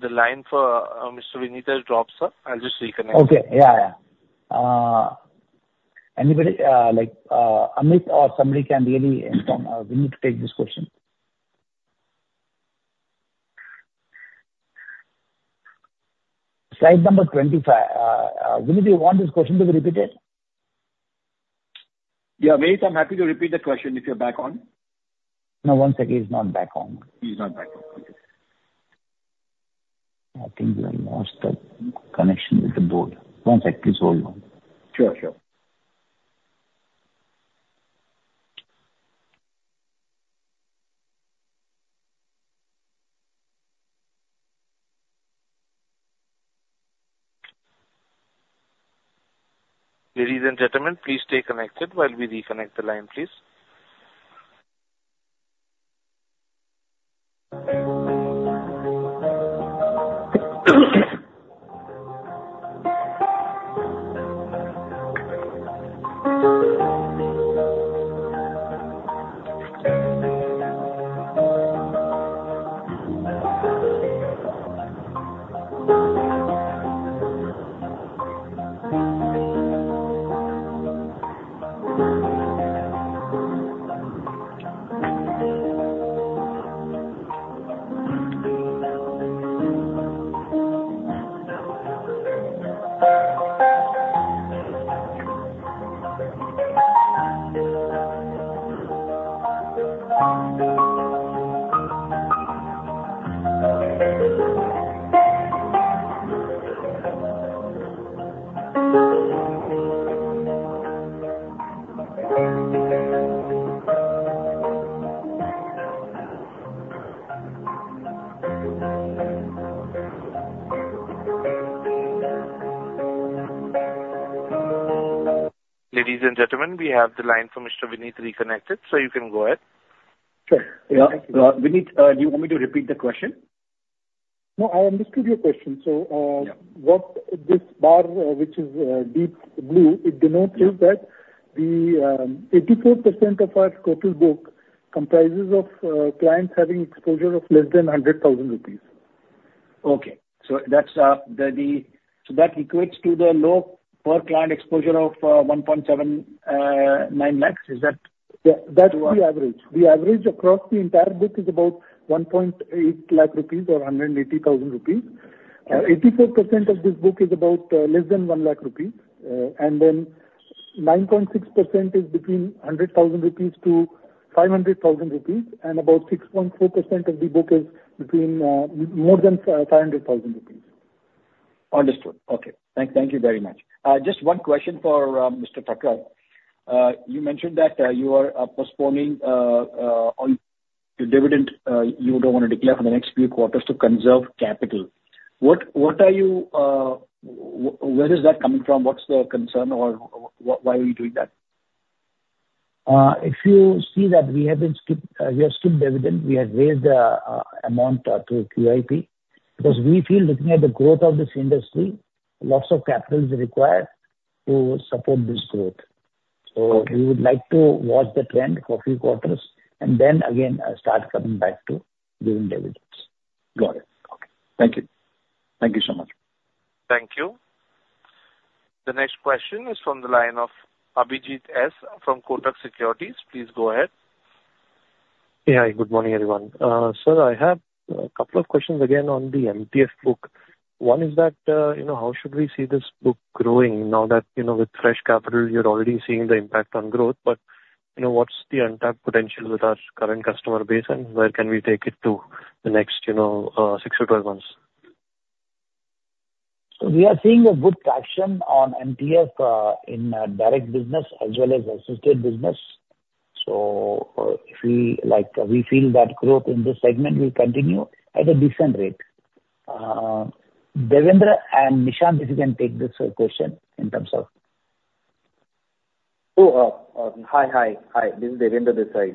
The line for, Mr. Vineet has dropped, sir. I'll just reconnect. Okay. Yeah, yeah. Anybody, like, Amit or somebody can really inform, we need to take this question. Slide number 25. Vineet, do you want this question to be repeated? Yeah, Vineet, I'm happy to repeat the question if you're back on. No, one second. He's not back on. He's not back on. Okay. I think we have lost the connection with the board. One second, please hold on. Sure, sure. Ladies and gentlemen, please stay connected while we reconnect the line, please. Ladies and gentlemen, we have the line for Mr. Vineet reconnected, so you can go ahead. Sure. Yeah. Vineet, do you want me to repeat the question? No, I understood your question. So, Yeah. What this bar, which is deep blue, it denotes is that 84% of our total book comprises of clients having exposure of less than 100,000 rupees. Okay. So that equates to the low per client exposure of 1.79 lakhs. Is that? Yeah, that's the average. The average across the entire book is about 1.8 lakh rupees or 180,000 rupees. 84% of this book is about less than 1 lakh rupees. And then 9.6% is between 100,000-500,000 rupees, and about 6.4% of the book is more than 500,000 rupees. Understood. Okay. Thank you very much. Just one question for Mr. Thakkar. You mentioned that you are postponing on the dividend you don't want to declare for the next few quarters to conserve capital. What are you where is that coming from? What's the concern or why are you doing that? If you see that we have skipped dividend, we have raised the amount to QIP, because we feel looking at the growth of this industry, lots of capital is required to support this growth. Okay. So we would like to watch the trend for a few quarters and then again, start coming back to giving dividends. Got it. Okay. Thank you. Thank you so much. Thank you. The next question is from the line of Abhijeet Shahare from Kotak Securities. Please go ahead. Yeah. Hi, good morning, everyone. Sir, I have a couple of questions again on the MTF book. One is that, you know, how should we see this book growing now that, you know, with fresh capital, you're already seeing the impact on growth, but, you know, what's the untapped potential with our current customer base, and where can we take it to the next, you know, 6 to 12 months? So we are seeing good traction on MTF in direct business as well as assisted business. So, if we like, we feel that growth in this segment will continue at a decent rate. Devendra and Nishant, if you can take this question in terms of-... Hi, this is Devender Kumar.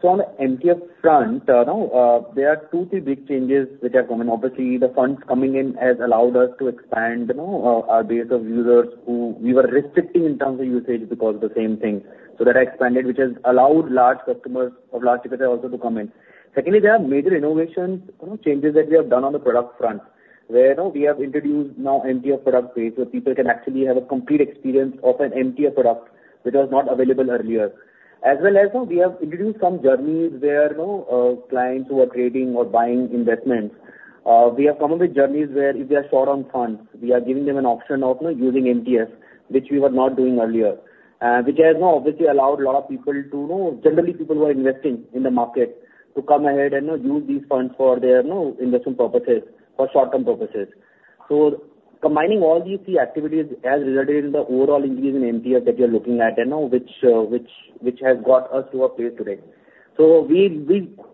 So on the MTF front, now, there are two, three big changes which have come in. Obviously, the funds coming in has allowed us to expand, you know, our base of users who we were restricting in terms of usage because of the same thing. So that expanded, which has allowed large customers or large people also to come in. Secondly, there are major innovations, you know, changes that we have done on the product front, where now we have introduced now MTF product page, so people can actually have a complete experience of an MTF product that was not available earlier. As well as now we have introduced some journeys where, you know, clients who are creating or buying investments, we have come up with journeys where if they are short on funds, we are giving them an option of, you know, using MTF, which we were not doing earlier. Which has now obviously allowed a lot of people to know generally people who are investing in the market to come ahead and, you know, use these funds for their, you know, investment purposes or short-term purposes. So combining all these key activities has resulted in the overall increase in MTF that you're looking at, and now which has got us to our place today. So we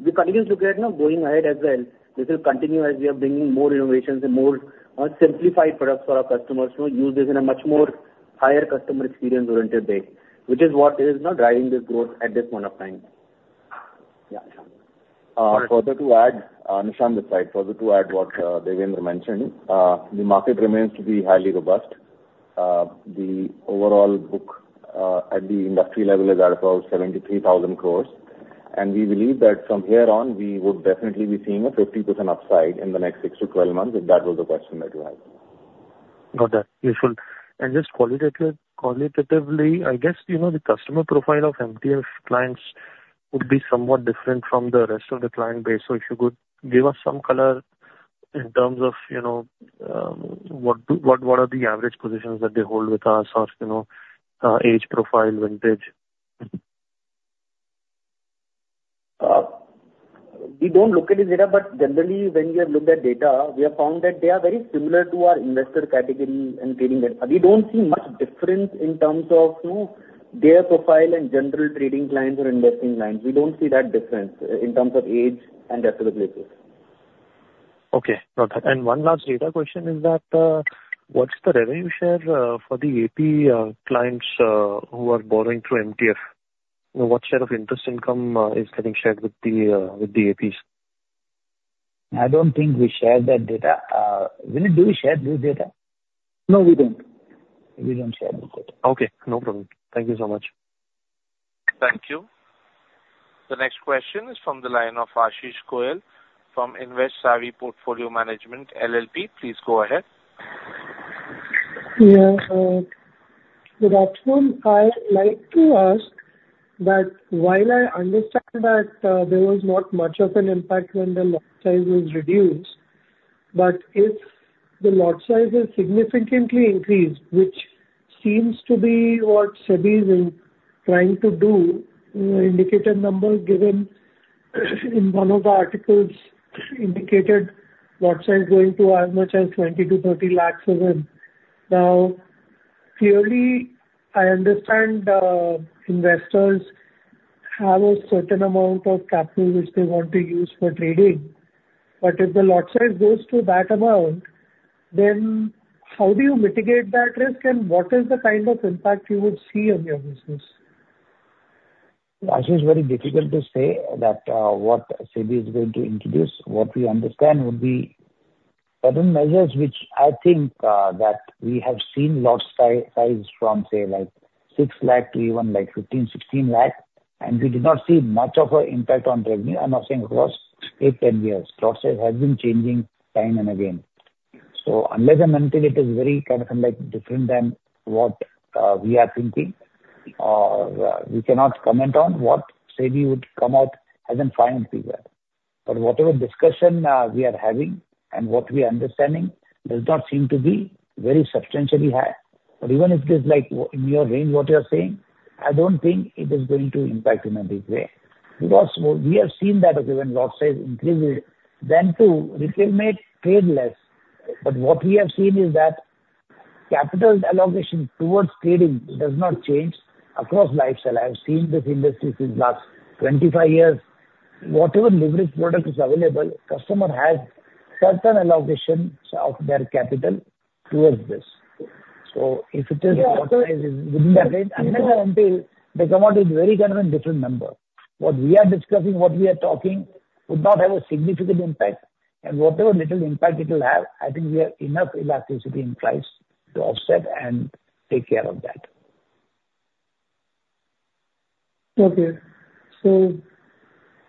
continue to look at, you know, going ahead as well. This will continue as we are bringing more innovations and more simplified products for our customers to use this in a much more higher customer experience-oriented day, which is what is now driving this growth at this point of time. Yeah. Further to add, Nishant this side. Further to add what Devendra mentioned, the market remains to be highly robust. The overall book at the industry level is at about 73,000 crore, and we believe that from here on, we would definitely be seeing a 50% upside in the next 6-12 months, if that was the question that you had. Got that. Useful. And just qualitatively, I guess, you know, the customer profile of MTF clients would be somewhat different from the rest of the client base. So if you could give us some color in terms of, you know, what are the average positions that they hold with us or, you know, age profile, vintage? We don't look at the data, but generally, when we have looked at data, we have found that they are very similar to our investor category and trading, and we don't see much difference in terms of, you know, their profile and general trading clients or investing clients. We don't see that difference in terms of age and other places. Okay. Got that. And one last data question is that, what's the revenue share for the AP clients who are borrowing through MTF? What share of interest income is getting shared with the APs? I don't think we share that data. Vineet, do we share this data? No, we don't. We don't share that data. Okay, no problem. Thank you so much. Thank you. The next question is from the line of Ashish Goel from InvestSavvy Portfolio Management LLP. Please go ahead. Yeah, so, good afternoon, I'd like to ask that while I understand that, there was not much of an impact when the lot size was reduced, but if the lot size is significantly increased, which seems to be what SEBI is trying to do, an indicator number given in one of the articles indicated lot size going to as much as 20 lakh-30 lakh even. Now, clearly, I understand, investors have a certain amount of capital which they want to use for trading, but if the lot size goes to that amount, then how do you mitigate that risk, and what is the kind of impact you would see on your business? Ashish, it's very difficult to say that what SEBI is going to introduce. What we understand would be certain measures which I think that we have seen lot size from, say, like 6 lakh to even like 15, 16 lakh, and we did not see much of an impact on revenue. I'm not saying it was 8, 10 years. Lot size has been changing time and again. So unless and until it is very kind of like different than what we are thinking, we cannot comment on what SEBI would come out as in final figure. But whatever discussion we are having and what we are understanding does not seem to be very substantially high. But even if it is like in your range, what you are saying, I don't think it is going to impact in a big way. Because we have seen that, okay, when lot size increases, then to retail make trade less. But what we have seen is that capital allocation towards trading does not change across lifestyle. I have seen this industry since last 25 years. Whatever leverage product is available, customer has certain allocations of their capital towards this. So if it is- Yeah. Within that range, unless and until the amount is very kind of a different number. What we are discussing, what we are talking would not have a significant impact. And whatever little impact it will have, I think we have enough elasticity in price to offset and take care of that. Okay. So...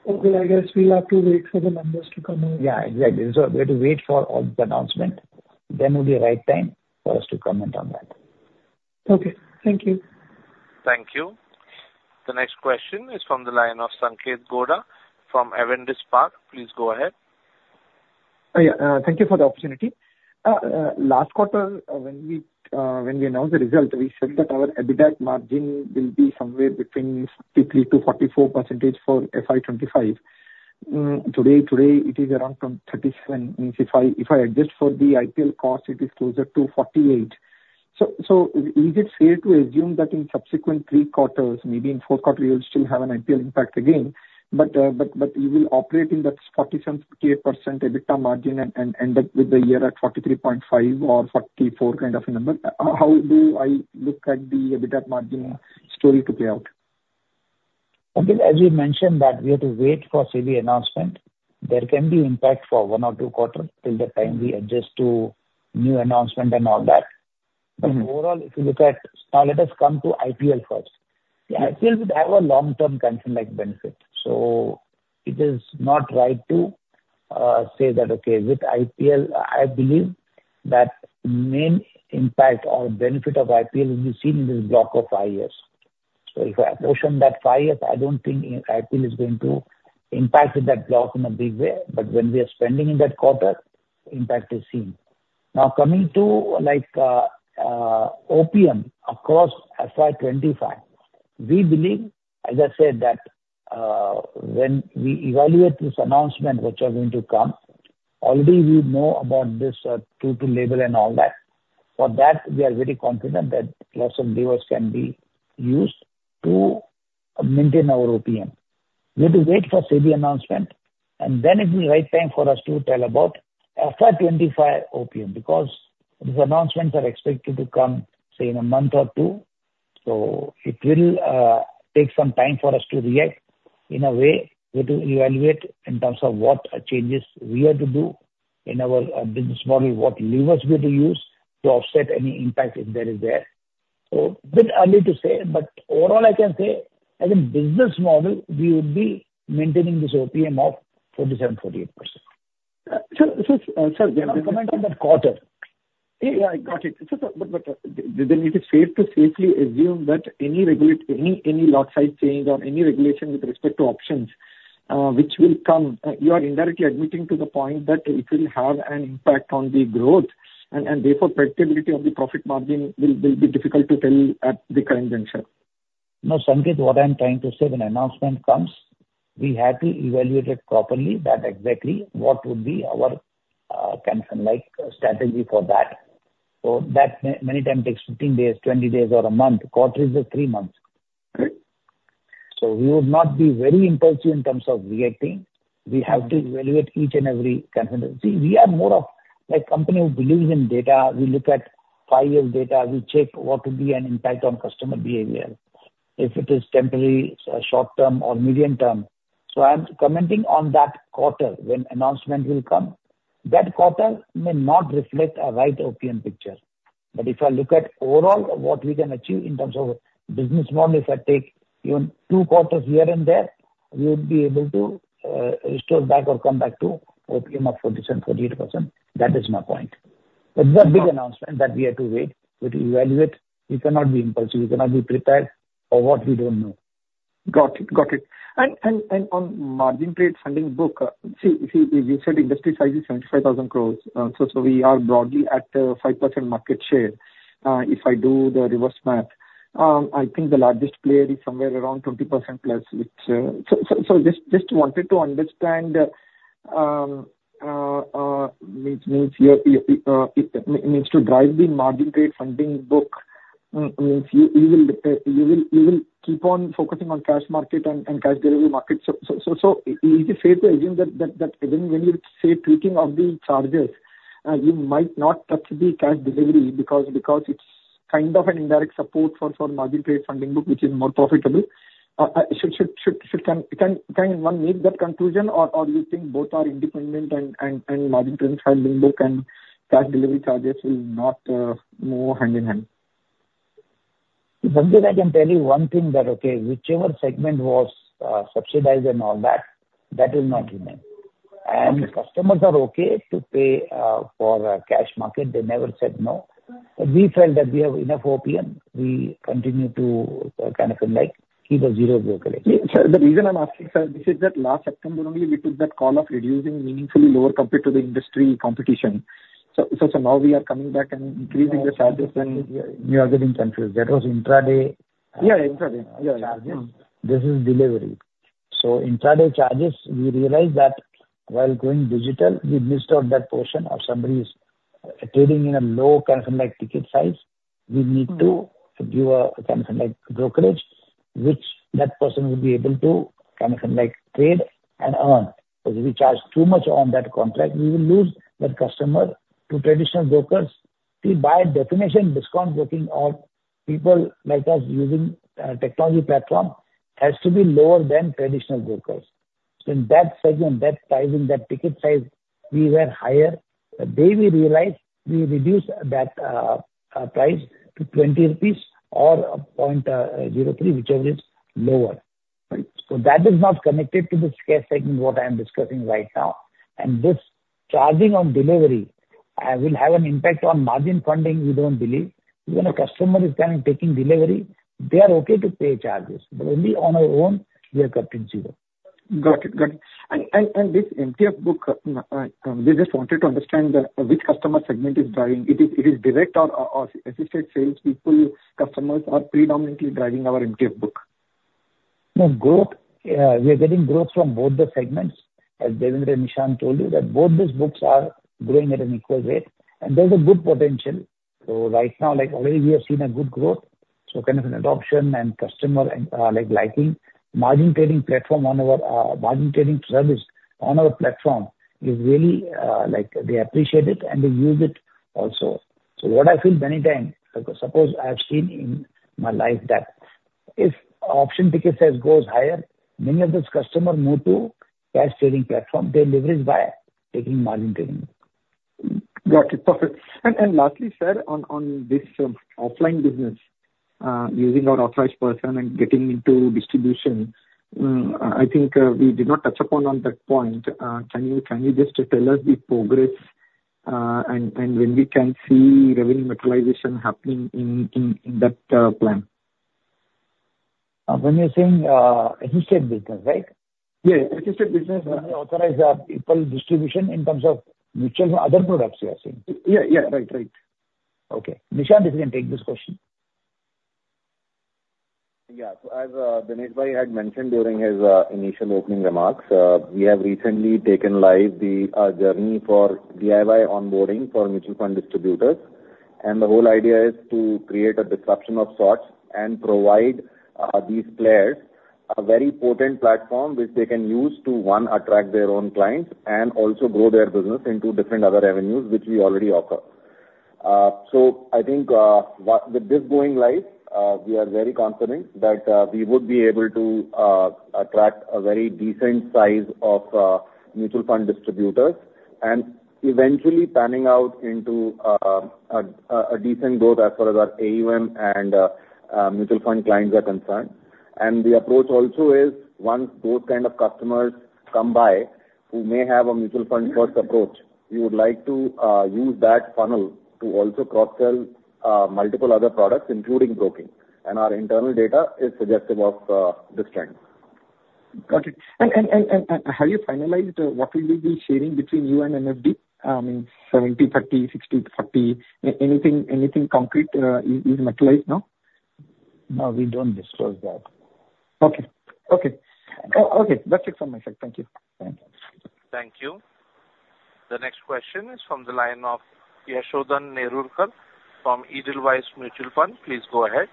okay, I guess we'll have to wait for the numbers to come in. Yeah, exactly. So we have to wait for all the announcement, then it will be the right time for us to comment on that. Okay. Thank you. Thank you. The next question is from the line of Sanketh Godha from Avendus Spark. Please go ahead. Yeah, thank you for the opportunity. Last quarter, when we announced the result, we said that our EBITDA margin will be somewhere between 53%-44% for FY 2025. Today, it is around from 37%. Means if I adjust for the IPL cost, it is closer to 48%. So is it fair to assume that in subsequent three quarters, maybe in fourth quarter, you'll still have an IPL impact again, but you will operate in that 47%-48% EBITDA margin and end up with the year at 43.5 or 44 kind of a number? How do I look at the EBITDA margin story to play out?... Okay, as you mentioned that we have to wait for SEBI announcement, there can be impact for one or two quarters till the time we adjust to new announcement and all that. Mm-hmm. Overall, if you look at. Now, let us come to IPL first. IPL would have a long-term consumer like benefit, so it is not right to say that, okay, with IPL, I believe that main impact or benefit of IPL will be seen in this block of five years. So if I portion that five years, I don't think IPL is going to impact that block in a big way, but when we are spending in that quarter, impact is seen. Now, coming to, like, OPM, across FY 25, we believe, as I said, that when we evaluate this announcement which are going to come, already we know about this True to Label and all that. For that, we are very confident that lots of levers can be used to maintain our OPM. We have to wait for SEBI announcement, and then it will be right time for us to tell about FY 25 OPM, because these announcements are expected to come, say, in a month or two. So it will take some time for us to react. In a way, we have to evaluate in terms of what changes we have to do in our business model, what levers we have to use to offset any impact if that is there. So a bit early to say, but overall, I can say as a business model, we would be maintaining this OPM of 47%-48%. So, sir, we are not comment on that quarter. Yeah, yeah, I got it. So, but, then it is safe to safely assume that any lot size change or any regulation with respect to options which will come, you are indirectly admitting to the point that it will have an impact on the growth, and therefore predictability of the profit margin will be difficult to tell at the current juncture. No, Sanketh, what I'm trying to say, when announcement comes, we have to evaluate it properly that exactly what would be our kind of like strategy for that. So that many times takes 15 days, 20 days or a month. Quarter is just 3 months. Right. So we would not be very impulsive in terms of reacting. We have to evaluate each and every consideration. See, we are more of a company who believes in data. We look at five-year data. We check what will be an impact on customer behavior, if it is temporary, short term or medium term. So I'm commenting on that quarter when announcement will come. That quarter may not reflect a right OPM picture. But if I look at overall, what we can achieve in terms of business model, if I take even two quarters here and there, we would be able to, restore back or come back to OPM of 47%-48%. That is my point. But there are big announcement that we have to wait, we have to evaluate. We cannot be impulsive. We cannot be prepared for what we don't know. Got it. Got it. And on margin trade funding book, see, we said industry size is 75,000 crore. So we are broadly at 5% market share. If I do the reverse math, I think the largest player is somewhere around 20% plus, which... So just wanted to understand, means, yeah, it means to drive the margin trade funding book, means you will keep on focusing on cash market and cash delivery market. So is it fair to assume that even when you say tweaking of the charges, you might not touch the cash delivery because it's kind of an indirect support for margin trade funding book, which is more profitable? Should one make that conclusion? Or you think both are independent and margin trade funding book and cash delivery charges will not move hand in hand? Sanketh, I can tell you one thing that, okay, whichever segment was subsidized and all that, that will not remain. Okay. Customers are okay to pay for a cash market; they never said no. But we felt that we have enough OPM. We continue to kind of like keep a zero brokerage. Sir, the reason I'm asking, sir, is that last September only, we took that call of reducing meaningfully lower compared to the industry competition. So, now we are coming back and increasing the charges and- You are getting confused. That was intraday. Yeah, intraday. Yeah, yeah. Charges. This is delivery. So intraday charges, we realized that while going digital, we missed out that portion of somebody's trading in a low kind of like ticket size. Mm-hmm. We need to give a kind of like brokerage, which that person will be able to kind of like trade and earn. Because if we charge too much on that contract, we will lose that customer to traditional brokers. See, by definition, discount broking or people like us using technology platform, has to be lower than traditional brokers. So in that segment, that size, in that ticket size, we were higher. They will realize we reduced that price to 20 rupees or 0.03, whichever is lower. So that is not connected to this case segment, what I am discussing right now. And this charging on delivery will have an impact on margin funding, we don't believe. Even a customer is coming, taking delivery, they are okay to pay charges, but only on our own, we are cutting zero. Got it. Got it. And this MTF book, we just wanted to understand which customer segment is driving. It is direct or assisted salespeople customers are predominantly driving our MTF book? No, growth, we are getting growth from both the segments. As Devender and Nishant told you, that both these books are growing at an equal rate, and there's a good potential. So right now, like already, we have seen a good growth, so kind of an adoption and customer, like, liking. Margin trading platform on our, margin trading service on our platform is really, like, they appreciate it and they use it also.... So what I feel many times, suppose I have seen in my life that if option ticket size goes higher, many of those customers move to cash trading platform. They leverage by taking margin trading. Got it. Perfect. And lastly, sir, on this offline business, using our authorized person and getting into distribution, I think we did not touch upon that point. Can you just tell us the progress, and when we can see revenue materialization happening in that plan? When you're saying assisted business, right? Yeah, assisted business. When we authorize our people distribution in terms of mutual and other products, you are saying? Yeah, yeah. Right, right. Okay. Nishant is going to take this question. Yeah. So as Dinesh Bhai had mentioned during his initial opening remarks, we have recently taken live the journey for DIY onboarding for mutual fund distributors. And the whole idea is to create a disruption of sorts and provide these players a very potent platform which they can use to, one, attract their own clients, and also grow their business into different other revenues, which we already offer. So I think, with this going live, we are very confident that we would be able to attract a very decent size of mutual fund distributors, and eventually panning out into a decent growth as far as our AUM and mutual fund clients are concerned. The approach also is once those kind of customers come by who may have a mutual fund first approach, we would like to use that funnel to also cross-sell multiple other products, including broking, and our internal data is suggestive of this trend. Got it. Have you finalized what will you be sharing between you and MFD? 70/30, 60/40. Anything concrete is materialized now? No, we don't disclose that. Okay, that's it from my side. Thank you. Thank you. Thank you. The next question is from the line of Yashodhan Nerurkar from Edelweiss Mutual Fund. Please go ahead.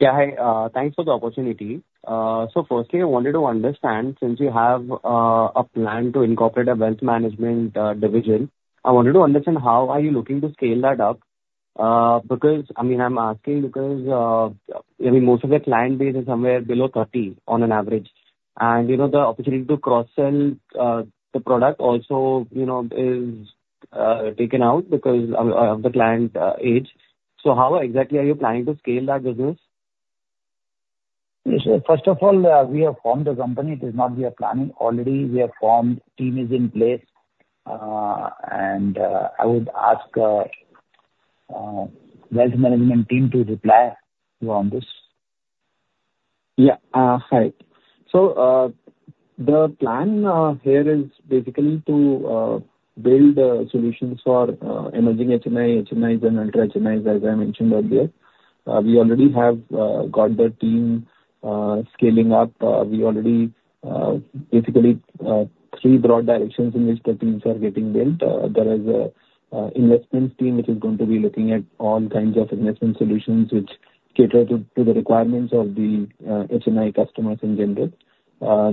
Yeah, hi. Thanks for the opportunity. So firstly, I wanted to understand, since you have a plan to incorporate a wealth management division, I wanted to understand how are you looking to scale that up? Because, I mean, I'm asking because, I mean, most of your client base is somewhere below 30 on an average, and, you know, the opportunity to cross-sell the product also, you know, is taken out because of the client age. So how exactly are you planning to scale that business? So first of all, we have formed a company. It is not we are planning. Already we have formed, team is in place. And, I would ask, wealth management team to reply you on this. Yeah, hi. So, the plan here is basically to build solutions for emerging HNI, HNIs and ultra HNIs, as I mentioned earlier. We already have got the team scaling up. We already basically three broad directions in which the teams are getting built. There is a investments team, which is going to be looking at all kinds of investment solutions which cater to the requirements of the HNI customers in general.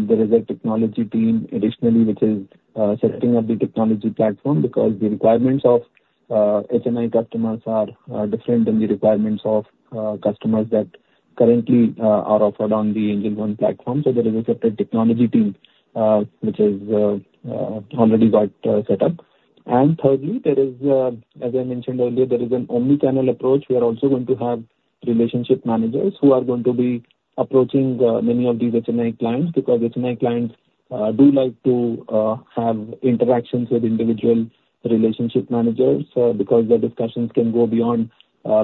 There is a technology team additionally, which is setting up the technology platform because the requirements of HNI customers are different than the requirements of customers that currently are offered on the Angel One platform. So there is a separate technology team, which is already got set up. And thirdly, there is, as I mentioned earlier, there is an omni-channel approach. We are also going to have relationship managers who are going to be approaching, many of these HNI clients, because HNI clients, do like to, have interactions with individual relationship managers, because the discussions can go beyond,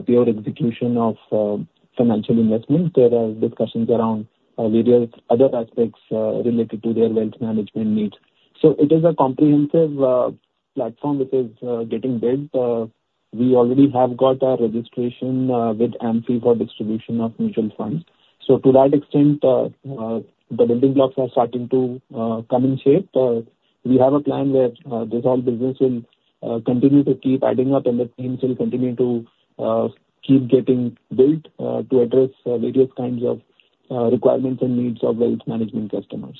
pure execution of, financial investments. There are discussions around, various other aspects, related to their wealth management needs. So it is a comprehensive, platform which is, getting built. We already have got our registration, with AMFI for distribution of mutual funds. So to that extent, the building blocks are starting to, come in shape. We have a plan where this whole business will continue to keep adding up, and the teams will continue to keep getting built to address various kinds of requirements and needs of wealth management customers.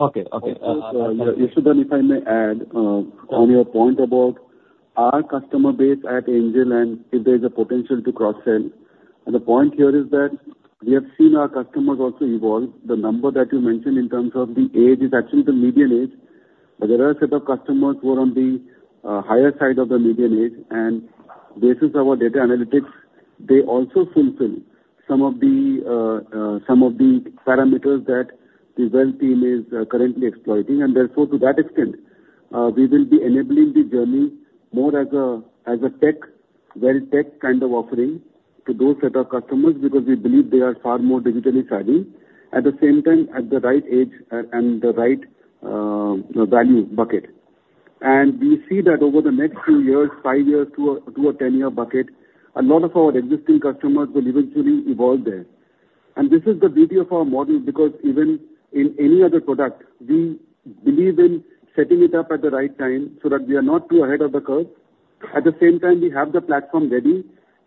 Okay. Okay, Yashodhan, if I may add, on your point about our customer base at Angel, and if there is a potential to cross-sell. The point here is that we have seen our customers also evolve. The number that you mentioned in terms of the age is actually the median age, but there are a set of customers who are on the higher side of the median age, and based on our data analytics, they also fulfill some of the parameters that the wealth team is currently exploiting. And therefore, to that extent, we will be enabling the journey more as a tech, wealth tech kind of offering to those set of customers, because we believe they are far more digitally savvy. At the same time, at the right age and the right, you know, value bucket. We see that over the next 2 years, 5 years to a 10-year bucket, a lot of our existing customers will eventually evolve there. And this is the beauty of our model, because even in any other product, we believe in setting it up at the right time so that we are not too ahead of the curve. At the same time, we have the platform ready,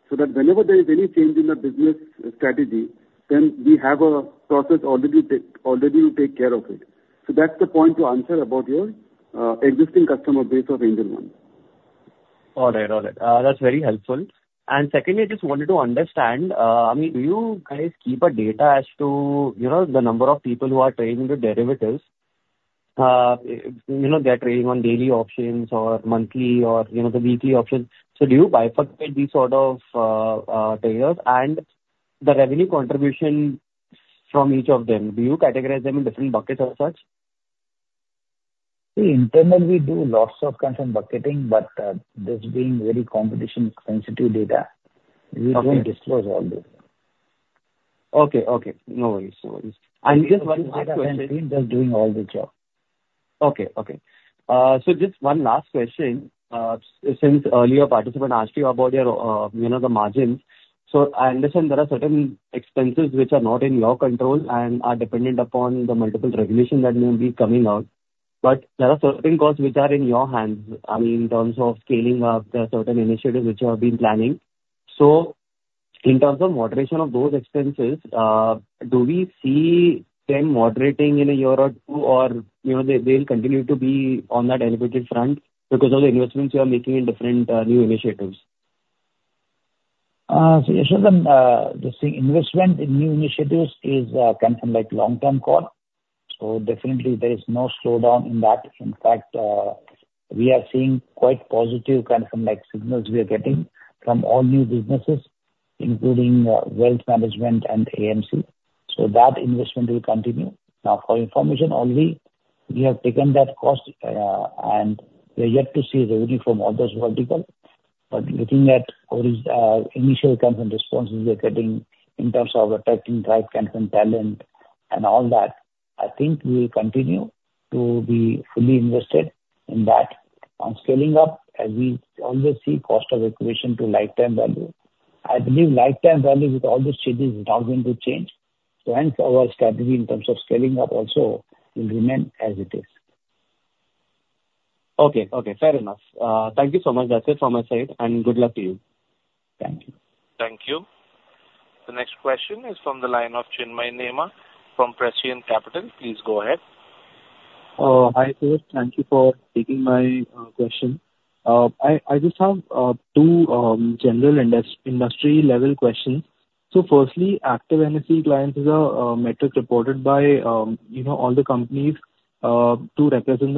so that whenever there is any change in the business strategy, then we have a process already to take care of it. So that's the point to answer about your existing customer base of Angel One. All right. All right. That's very helpful. And secondly, I just wanted to understand, I mean, do you guys keep a data as to, you know, the number of people who are trading with derivatives? You know, they're trading on daily options or monthly or, you know, the weekly options. So do you bifurcate these sort of traders, and the revenue contribution from each of them? Do you categorize them in different buckets as such? See, internally, we do lots of kinds of bucketing, but this being very competition-sensitive data- Okay. We don't disclose all this. Okay, okay. No worries, no worries. This one is data entry, just doing all the job. Okay, okay. So just one last question. Since earlier participant asked you about your, you know, the margins. So I understand there are certain expenses which are not in your control and are dependent upon the multiple regulations that may be coming out, but there are certain costs which are in your hands, I mean, in terms of scaling up the certain initiatives which you have been planning. So in terms of moderation of those expenses, do we see them moderating in a year or two? Or, you know, they, they will continue to be on that elevated front because of the investments you are making in different, new initiatives. So Yashodhan, the same investment in new initiatives is come from, like, long-term core, so definitely there is no slowdown in that. In fact, we are seeing quite positive kind of like signals we are getting from all new businesses, including wealth management and AMC. So that investment will continue. Now, for information only, we have taken that cost, and we're yet to see revenue from all those vertical. But looking at all initial kind of responses we are getting in terms of attracting right kind of talent and all that, I think we will continue to be fully invested in that. On scaling up, as we always see cost of acquisition to lifetime value, I believe lifetime value with all these changes is not going to change, so hence our strategy in terms of scaling up also will remain as it is. Okay, okay, fair enough. Thank you so much, that's it from my side, and good luck to you. Thank you. Thank you. The next question is from the line of Chinmay Nema from Prescient Capital. Please go ahead. Hi, sir. Thank you for taking my question. I just have two general industry-level questions. So firstly, active NSE clients is a metric reported by, you know, all the companies to represent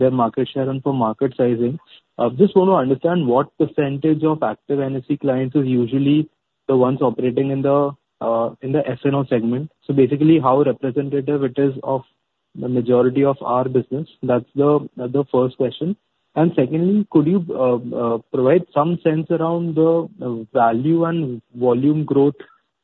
their market share and for market sizing. I just want to understand what percentage of active NSE clients is usually the ones operating in the F&O segment. So basically, how representative it is of the majority of our business. That's the first question. And secondly, could you provide some sense around the value and volume growth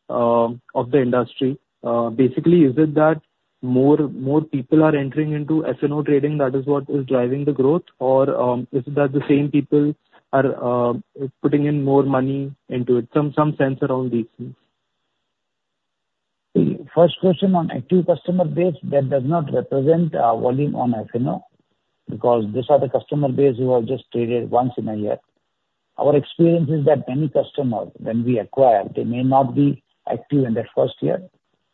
of the industry? Basically, is it that more people are entering into F&O trading, that is what is driving the growth? Or, is it that the same people are putting in more money into it? Some, some sense around these things. The first question on active customer base, that does not represent our volume on F&O, because these are the customer base who have just traded once in a year. Our experience is that any customer, when we acquire, they may not be active in that first year,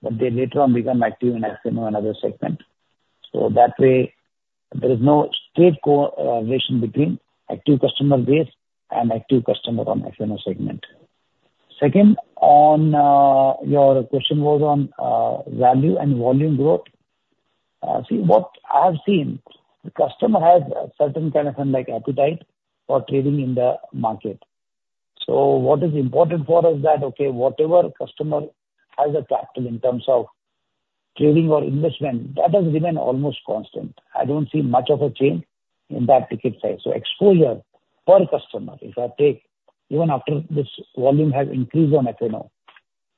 but they later on become active in F&O another segment. So that way, there is no straight correlation between active customer base and active customer on F&O segment. Second, on your question was on value and volume growth. See, what I have seen, the customer has a certain kind of, like, appetite for trading in the market. So what is important for us is that, okay, whatever customer has attracted in terms of trading or investment, that has remained almost constant. I don't see much of a change in that ticket size. So exposure per customer, if I take even after this volume has increased on F&O,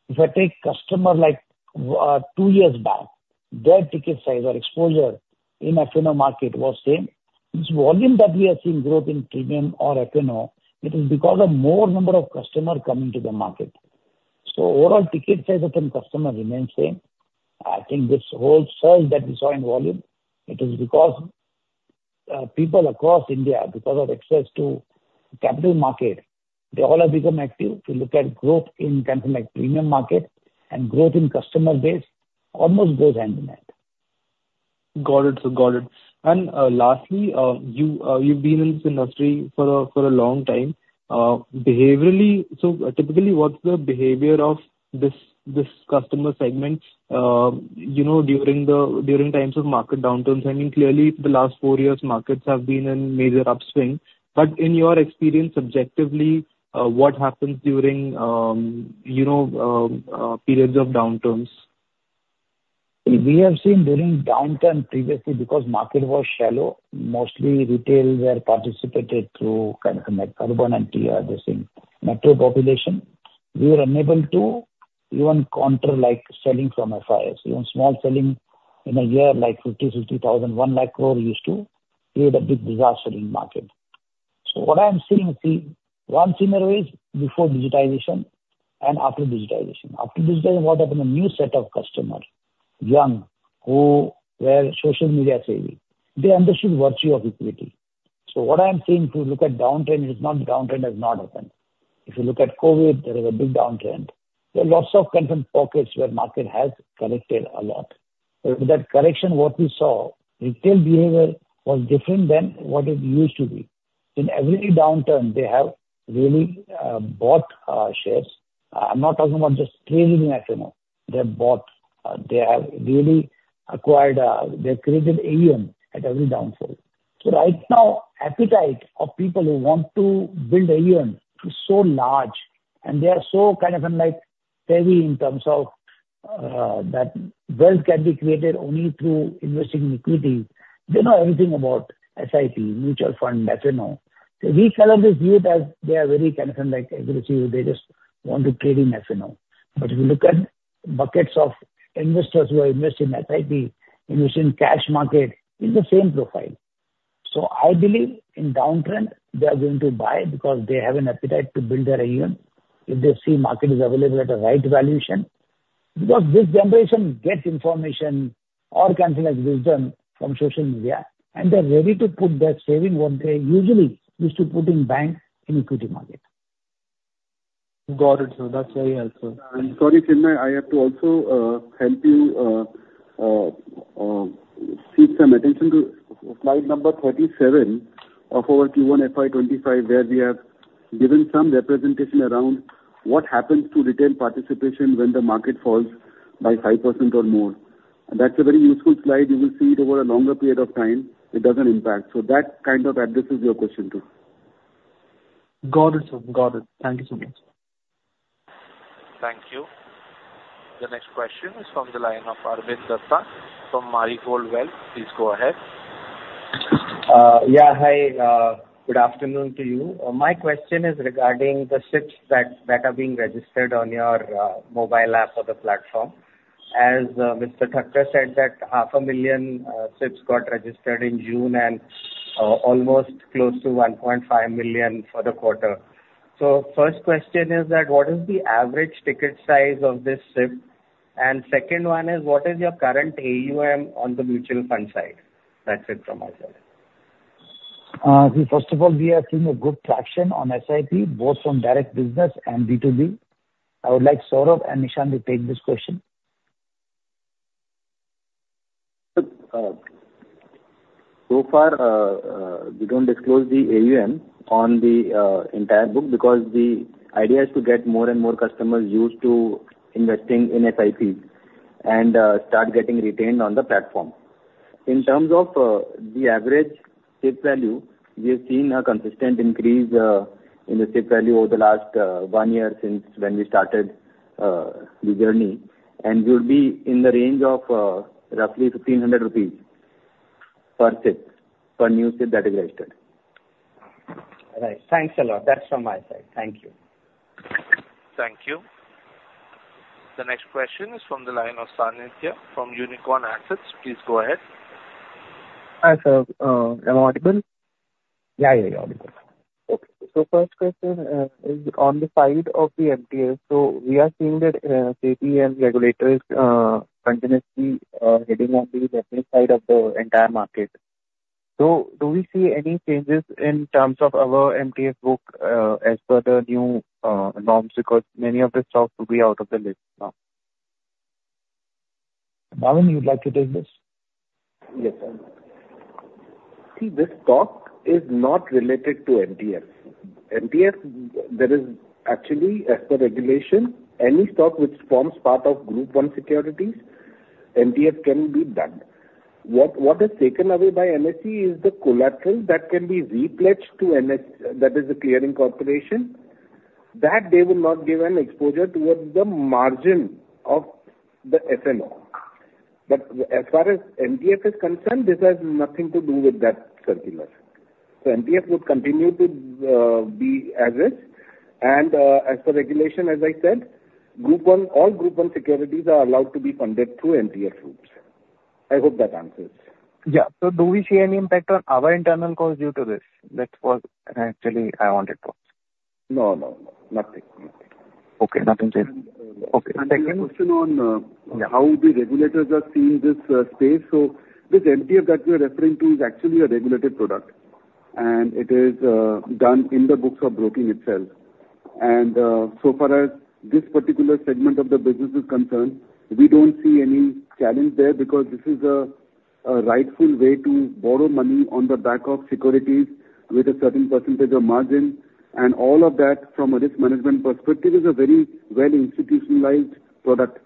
if I take customer like two years back, their ticket size or exposure in F&O market was same. This volume that we are seeing growth in premium or F&O, it is because of more number of customer coming to the market. So overall ticket size of the customer remains same. I think this whole surge that we saw in volume, it is because people across India, because of access to capital market, they all have become active. If you look at growth in something like premium market and growth in customer base, almost goes hand in hand. Got it, sir. Got it. And lastly, you've been in this industry for a, for a long time. Behaviorally, so typically, what's the behavior of this, this customer segment, you know, during the, during times of market downturns? I mean, clearly, the last four years, markets have been in major upswing. But in your experience, subjectively, what happens during, you know, periods of downturns? We have seen during downturn previously, because market was shallow, mostly retail were participated through kind of like urban and tier, the same metro population. We were unable to even counter like selling from FIIs, even small selling in a year, like 50, 50 thousand, 100,000 crore used to create a big disaster in market. So what I'm seeing, see, one scenario is before digitization and after digitization. After digitization, what happened? A new set of customer, young, who were social media savvy, they understood the virtue of equity. So what I'm saying, to look at downturn, it's not downturn has not happened. If you look at COVID, there is a big downturn. There are lots of kind of pockets where market has corrected a lot. But with that correction, what we saw, retail behavior was different than what it used to be. In every downturn, they have really bought shares. I'm not talking about just trading in FNO, they have bought. They have really acquired, they've created AUM at every downfall. So right now, appetite of people who want to build AUM is so large, and they are so kind of in like savvy in terms of that wealth can be created only through investing in equity. They know everything about SIP, mutual fund, FNO. So we cannot just view it as they are very kind of like, they just want to trade in FNO. But if you look at buckets of investors who have invested in SIP, investing in cash market, is the same profile. So I believe in downtrend, they are going to buy because they have an appetite to build their AUM, if they see market is available at the right valuation. Because this generation gets information or kind of like wisdom from social media, and they're ready to put their saving, what they usually used to put in bank, in equity market. Got it, sir. That's very helpful. I'm sorry, Chinmay, I have to also help you seek some attention to slide number 37 of our Q1 FY25, where we have given some representation around what happens to retail participation when the market falls by 5% or more. That's a very useful slide. You will see it over a longer period of time, it doesn't impact. So that kind of addresses your question, too. Got it, sir. Got it. Thank you so much. Thank you. The next question is from the line of Arvind Datta from Marigold Wealth. Please go ahead. Yeah, hi. Good afternoon to you. My question is regarding the SIPs that are being registered on your mobile app or the platform. As Mr. Thakkar said, 500,000 SIPs got registered in June and almost close to 1.5 million for the quarter. So first question is that, what is the average ticket size of this SIP? And second one is, what is your current AUM on the mutual fund side? That's it from my side. First of all, we are seeing a good traction on SIP, both from direct business and B2B. I would like Saurabh and Nishant to take this question. So far, we don't disclose the AUM on the entire book because the idea is to get more and more customers used to investing in SIPs and start getting retained on the platform. In terms of the average SIP value, we have seen a consistent increase in the SIP value over the last one year since when we started the journey, and we would be in the range of roughly 1,500 rupees per SIP, per new SIP that is registered. All right. Thanks a lot. That's from my side. Thank you. Thank you. The next question is from the line of Sanidhya from Unicorn Assets. Please go ahead. Hi, sir. Am I audible? Yeah, yeah, you're audible. Okay. So first question is on the side of the MTF. So we are seeing that SEBI and regulators continuously hitting on the equity side of the entire market. So do we see any changes in terms of our MTF book as per the new norms? Because many of the stocks will be out of the list now. Naveen, you'd like to take this? Yes, sir. See, this stock is not related to MTF. MTF, there is actually, as per regulation, any stock which forms part of Group One securities, MTF can be done. What, what is taken away by NSE is the collateral that can be re-pledged to NSE, that is the clearing corporation, that they will not give an exposure towards the margin of the FNO. But as far as MTF is concerned, this has nothing to do with that circular. So MTF would continue to be as is, and, as per regulation, as I said, Group One, all Group One securities are allowed to be funded through MTF routes. I hope that answers. Yeah. So do we see any impact on our internal costs due to this? That's what actually I wanted to ask. No, no, no, nothing. Okay, nothing said. Okay. And the second question on, Yeah. -how the regulators are seeing this, space. So this MTF that you're referring to is actually a regulated product, and it is, done in the books of broking itself. And, so far as this particular segment of the business is concerned, we don't see any challenge there because this is a, a rightful way to borrow money on the back of securities with a certain percentage of margin. And all of that from a risk management perspective, is a very well institutionalized product,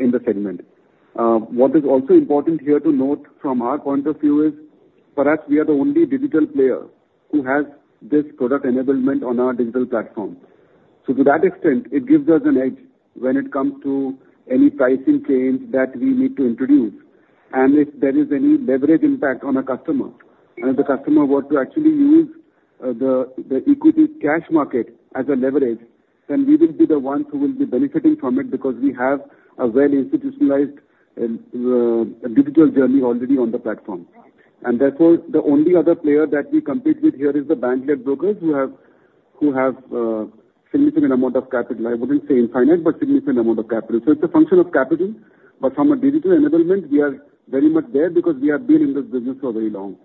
in the segment. What is also important here to note from our point of view is, perhaps we are the only digital player who has this product enablement on our digital platform. So to that extent, it gives us an edge when it comes to any pricing change that we need to introduce. If there is any leverage impact on a customer, and the customer were to actually use the equity cash market as a leverage, then we will be the ones who will be benefiting from it, because we have a well institutionalized digital journey already on the platform. Therefore, the only other player that we compete with here is the bank-led brokers who have significant amount of capital. I wouldn't say infinite, but significant amount of capital. It's a function of capital, but from a digital enablement, we are very much there because we have been in this business for very long.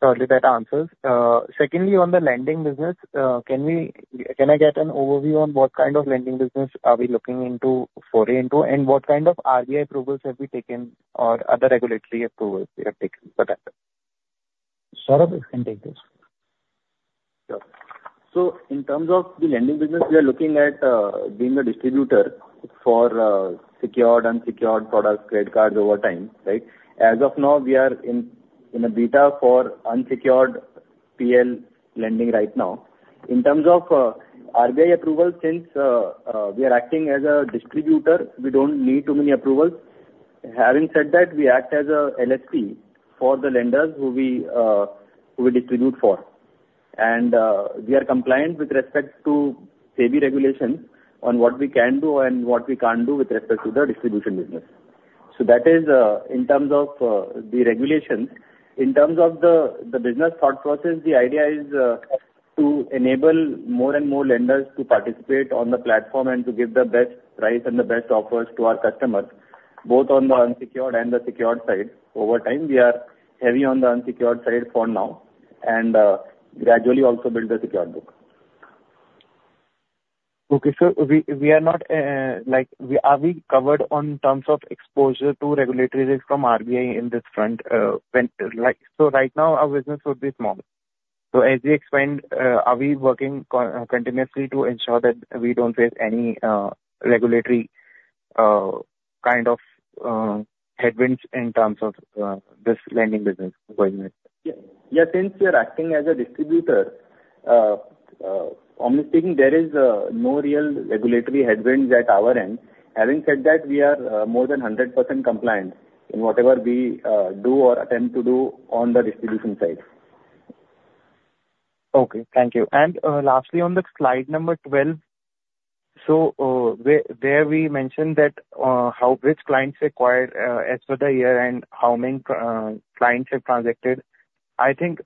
Did that answers? Secondly, on the lending business, can we, can I get an overview on what kind of lending business are we looking into for into, and what kind of RBI approvals have we taken or other regulatory approvals we have taken for that? Saurabh can take this. Sure. So in terms of the lending business, we are looking at being a distributor for secured, unsecured products, credit cards over time, right? As of now, we are in a beta for unsecured PL lending right now. In terms of RBI approval, since we are acting as a distributor, we don't need too many approvals. Having said that, we act as a LSP for the lenders who we distribute for. And we are compliant with respect to SEBI regulations on what we can do and what we can't do with respect to the distribution business. So that is in terms of the regulations. In terms of the, the business thought process, the idea is to enable more and more lenders to participate on the platform and to give the best price and the best offers to our customers, both on the unsecured and the secured side. Over time, we are heavy on the unsecured side for now and gradually also build the secured book. Okay. Are we covered in terms of exposure to regulatory risk from RBI in this front, when, like... So right now, our business would be small. So as we expand, are we working continuously to ensure that we don't face any regulatory kind of headwinds in terms of this lending business going ahead? Yeah. Yeah, since we are acting as a distributor, honestly, there is no real regulatory headwinds at our end. Having said that, we are more than 100% compliant in whatever we do or attempt to do on the distribution side. Okay, thank you. And lastly, on the slide number 12, so where there we mentioned that how which clients acquired as per the year and how many clients have transacted. I think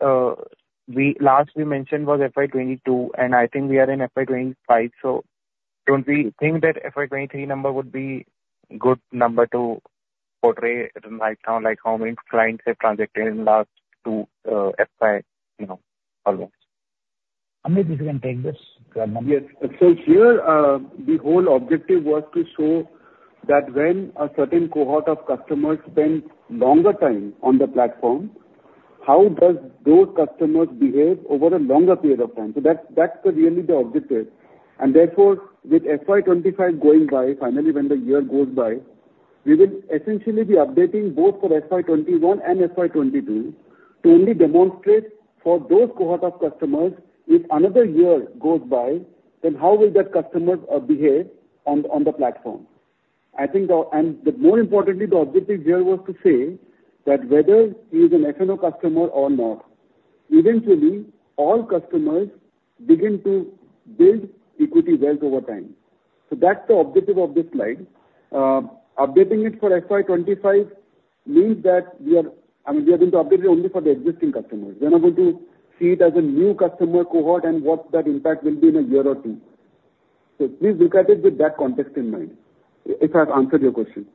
we last we mentioned was FY 2022, and I think we are in FY 2025. So don't we think that FY 2023 number would be good number to portray it right now, like how many clients have transacted in last two FY, you know, almost? Amit, you can take this one. Yes. So here, the whole objective was to show that when a certain cohort of customers spend longer time on the platform, how does those customers behave over a longer period of time? So that's, that's the really the objective. And therefore, with FY 25 going by, finally, when the year goes by, we will essentially be updating both for FY 21 and FY 22 to only demonstrate for those cohort of customers, if another year goes by, then how will that customers behave on, on the platform? I think the... And but more importantly, the objective here was to say that whether he is an F&O customer or not, eventually all customers begin to build equity wealth over time. So that's the objective of this slide. Updating it for FY 25 means that we are, I mean, we are going to update it only for the existing customers. We are not going to see it as a new customer cohort and what that impact will be in a year or two. So please look at it with that context in mind. If I've answered your question.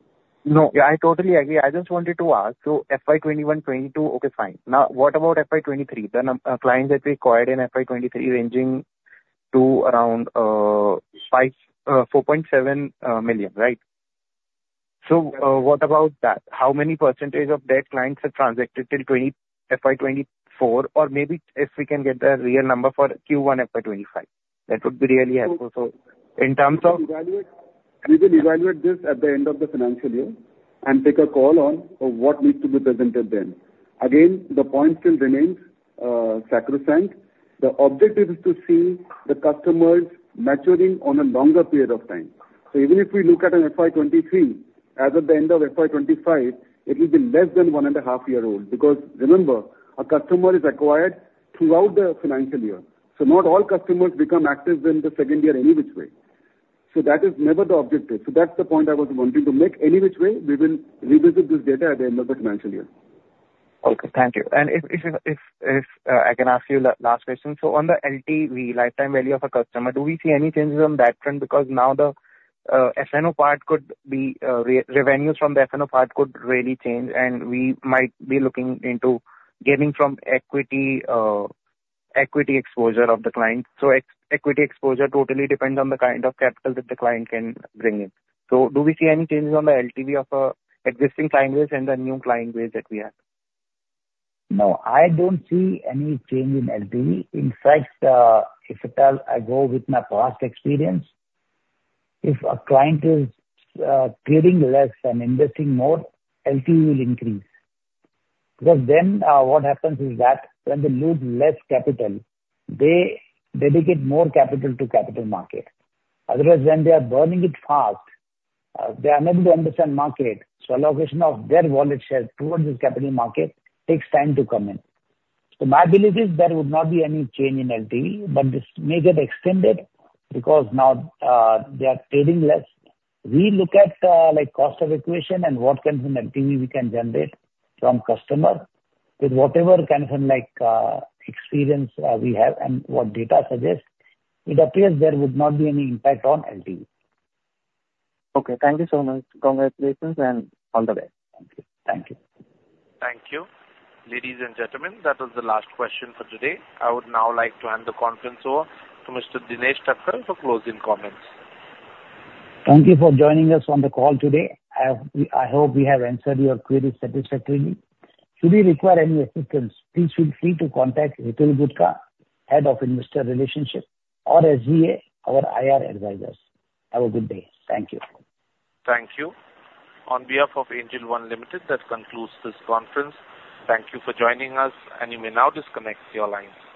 No. Yeah, I totally agree. I just wanted to ask, so FY 2021, 2022, okay, fine. Now, what about FY 2023? The number of clients that we acquired in FY 2023, ranging to around 4.7 million, right? So, what about that? What percentage of their clients have transacted till FY 2024? Or maybe if we can get the real number for Q1 FY 2025, that would be really helpful. So in terms of- We will evaluate, we will evaluate this at the end of the financial year and take a call on, on what needs to be presented then. Again, the point still remains, sacrosanct. The objective is to see the customers maturing on a longer period of time. So even if we look at an FY 2023, as of the end of FY 2025, it will be less than 1.5 years old, because remember, a customer is acquired throughout the financial year, so not all customers become active in the second year any which way. So that is never the objective. So that's the point I was wanting to make. Any which way, we will revisit this data at the end of the financial year. Okay, thank you. If I can ask you last question. So on the LTV, lifetime value of a customer, do we see any changes on that front? Because now the FNO part could be revenues from the FNO part could really change, and we might be looking into gaining from equity equity exposure of the client. So equity exposure totally depends on the kind of capital that the client can bring in. So do we see any changes on the LTV of existing client base and the new client base that we have? No, I don't see any change in LTV. In fact, if I tell, I go with my past experience, if a client is clearing less and investing more, LTV will increase. Because then, what happens is that when they lose less capital, they dedicate more capital to capital market. Otherwise, when they are burning it fast, they are unable to understand market, so allocation of their wallet share towards this capital market takes time to come in. So my belief is there would not be any change in LTV, but this may get extended because now, they are trading less. We look at, like, cost of acquisition and what kind of an LTV we can generate from customer. With whatever kind of, like, experience we have and what data suggests, it appears there would not be any impact on LTV. Okay, thank you so much. Congratulations and all the best. Thank you. Thank you. Thank you. Ladies and gentlemen, that was the last question for today. I would now like to hand the conference over to Mr. Dinesh Thakkar for closing comments. Thank you for joining us on the call today. We, I hope we have answered your queries satisfactorily. Should you require any assistance, please feel free to contact Hitul Gutka, Head of Investor Relations, or SGA, our IR advisors. Have a good day. Thank you. Thank you. On behalf of Angel One Limited, that concludes this conference. Thank you for joining us, and you may now disconnect your lines.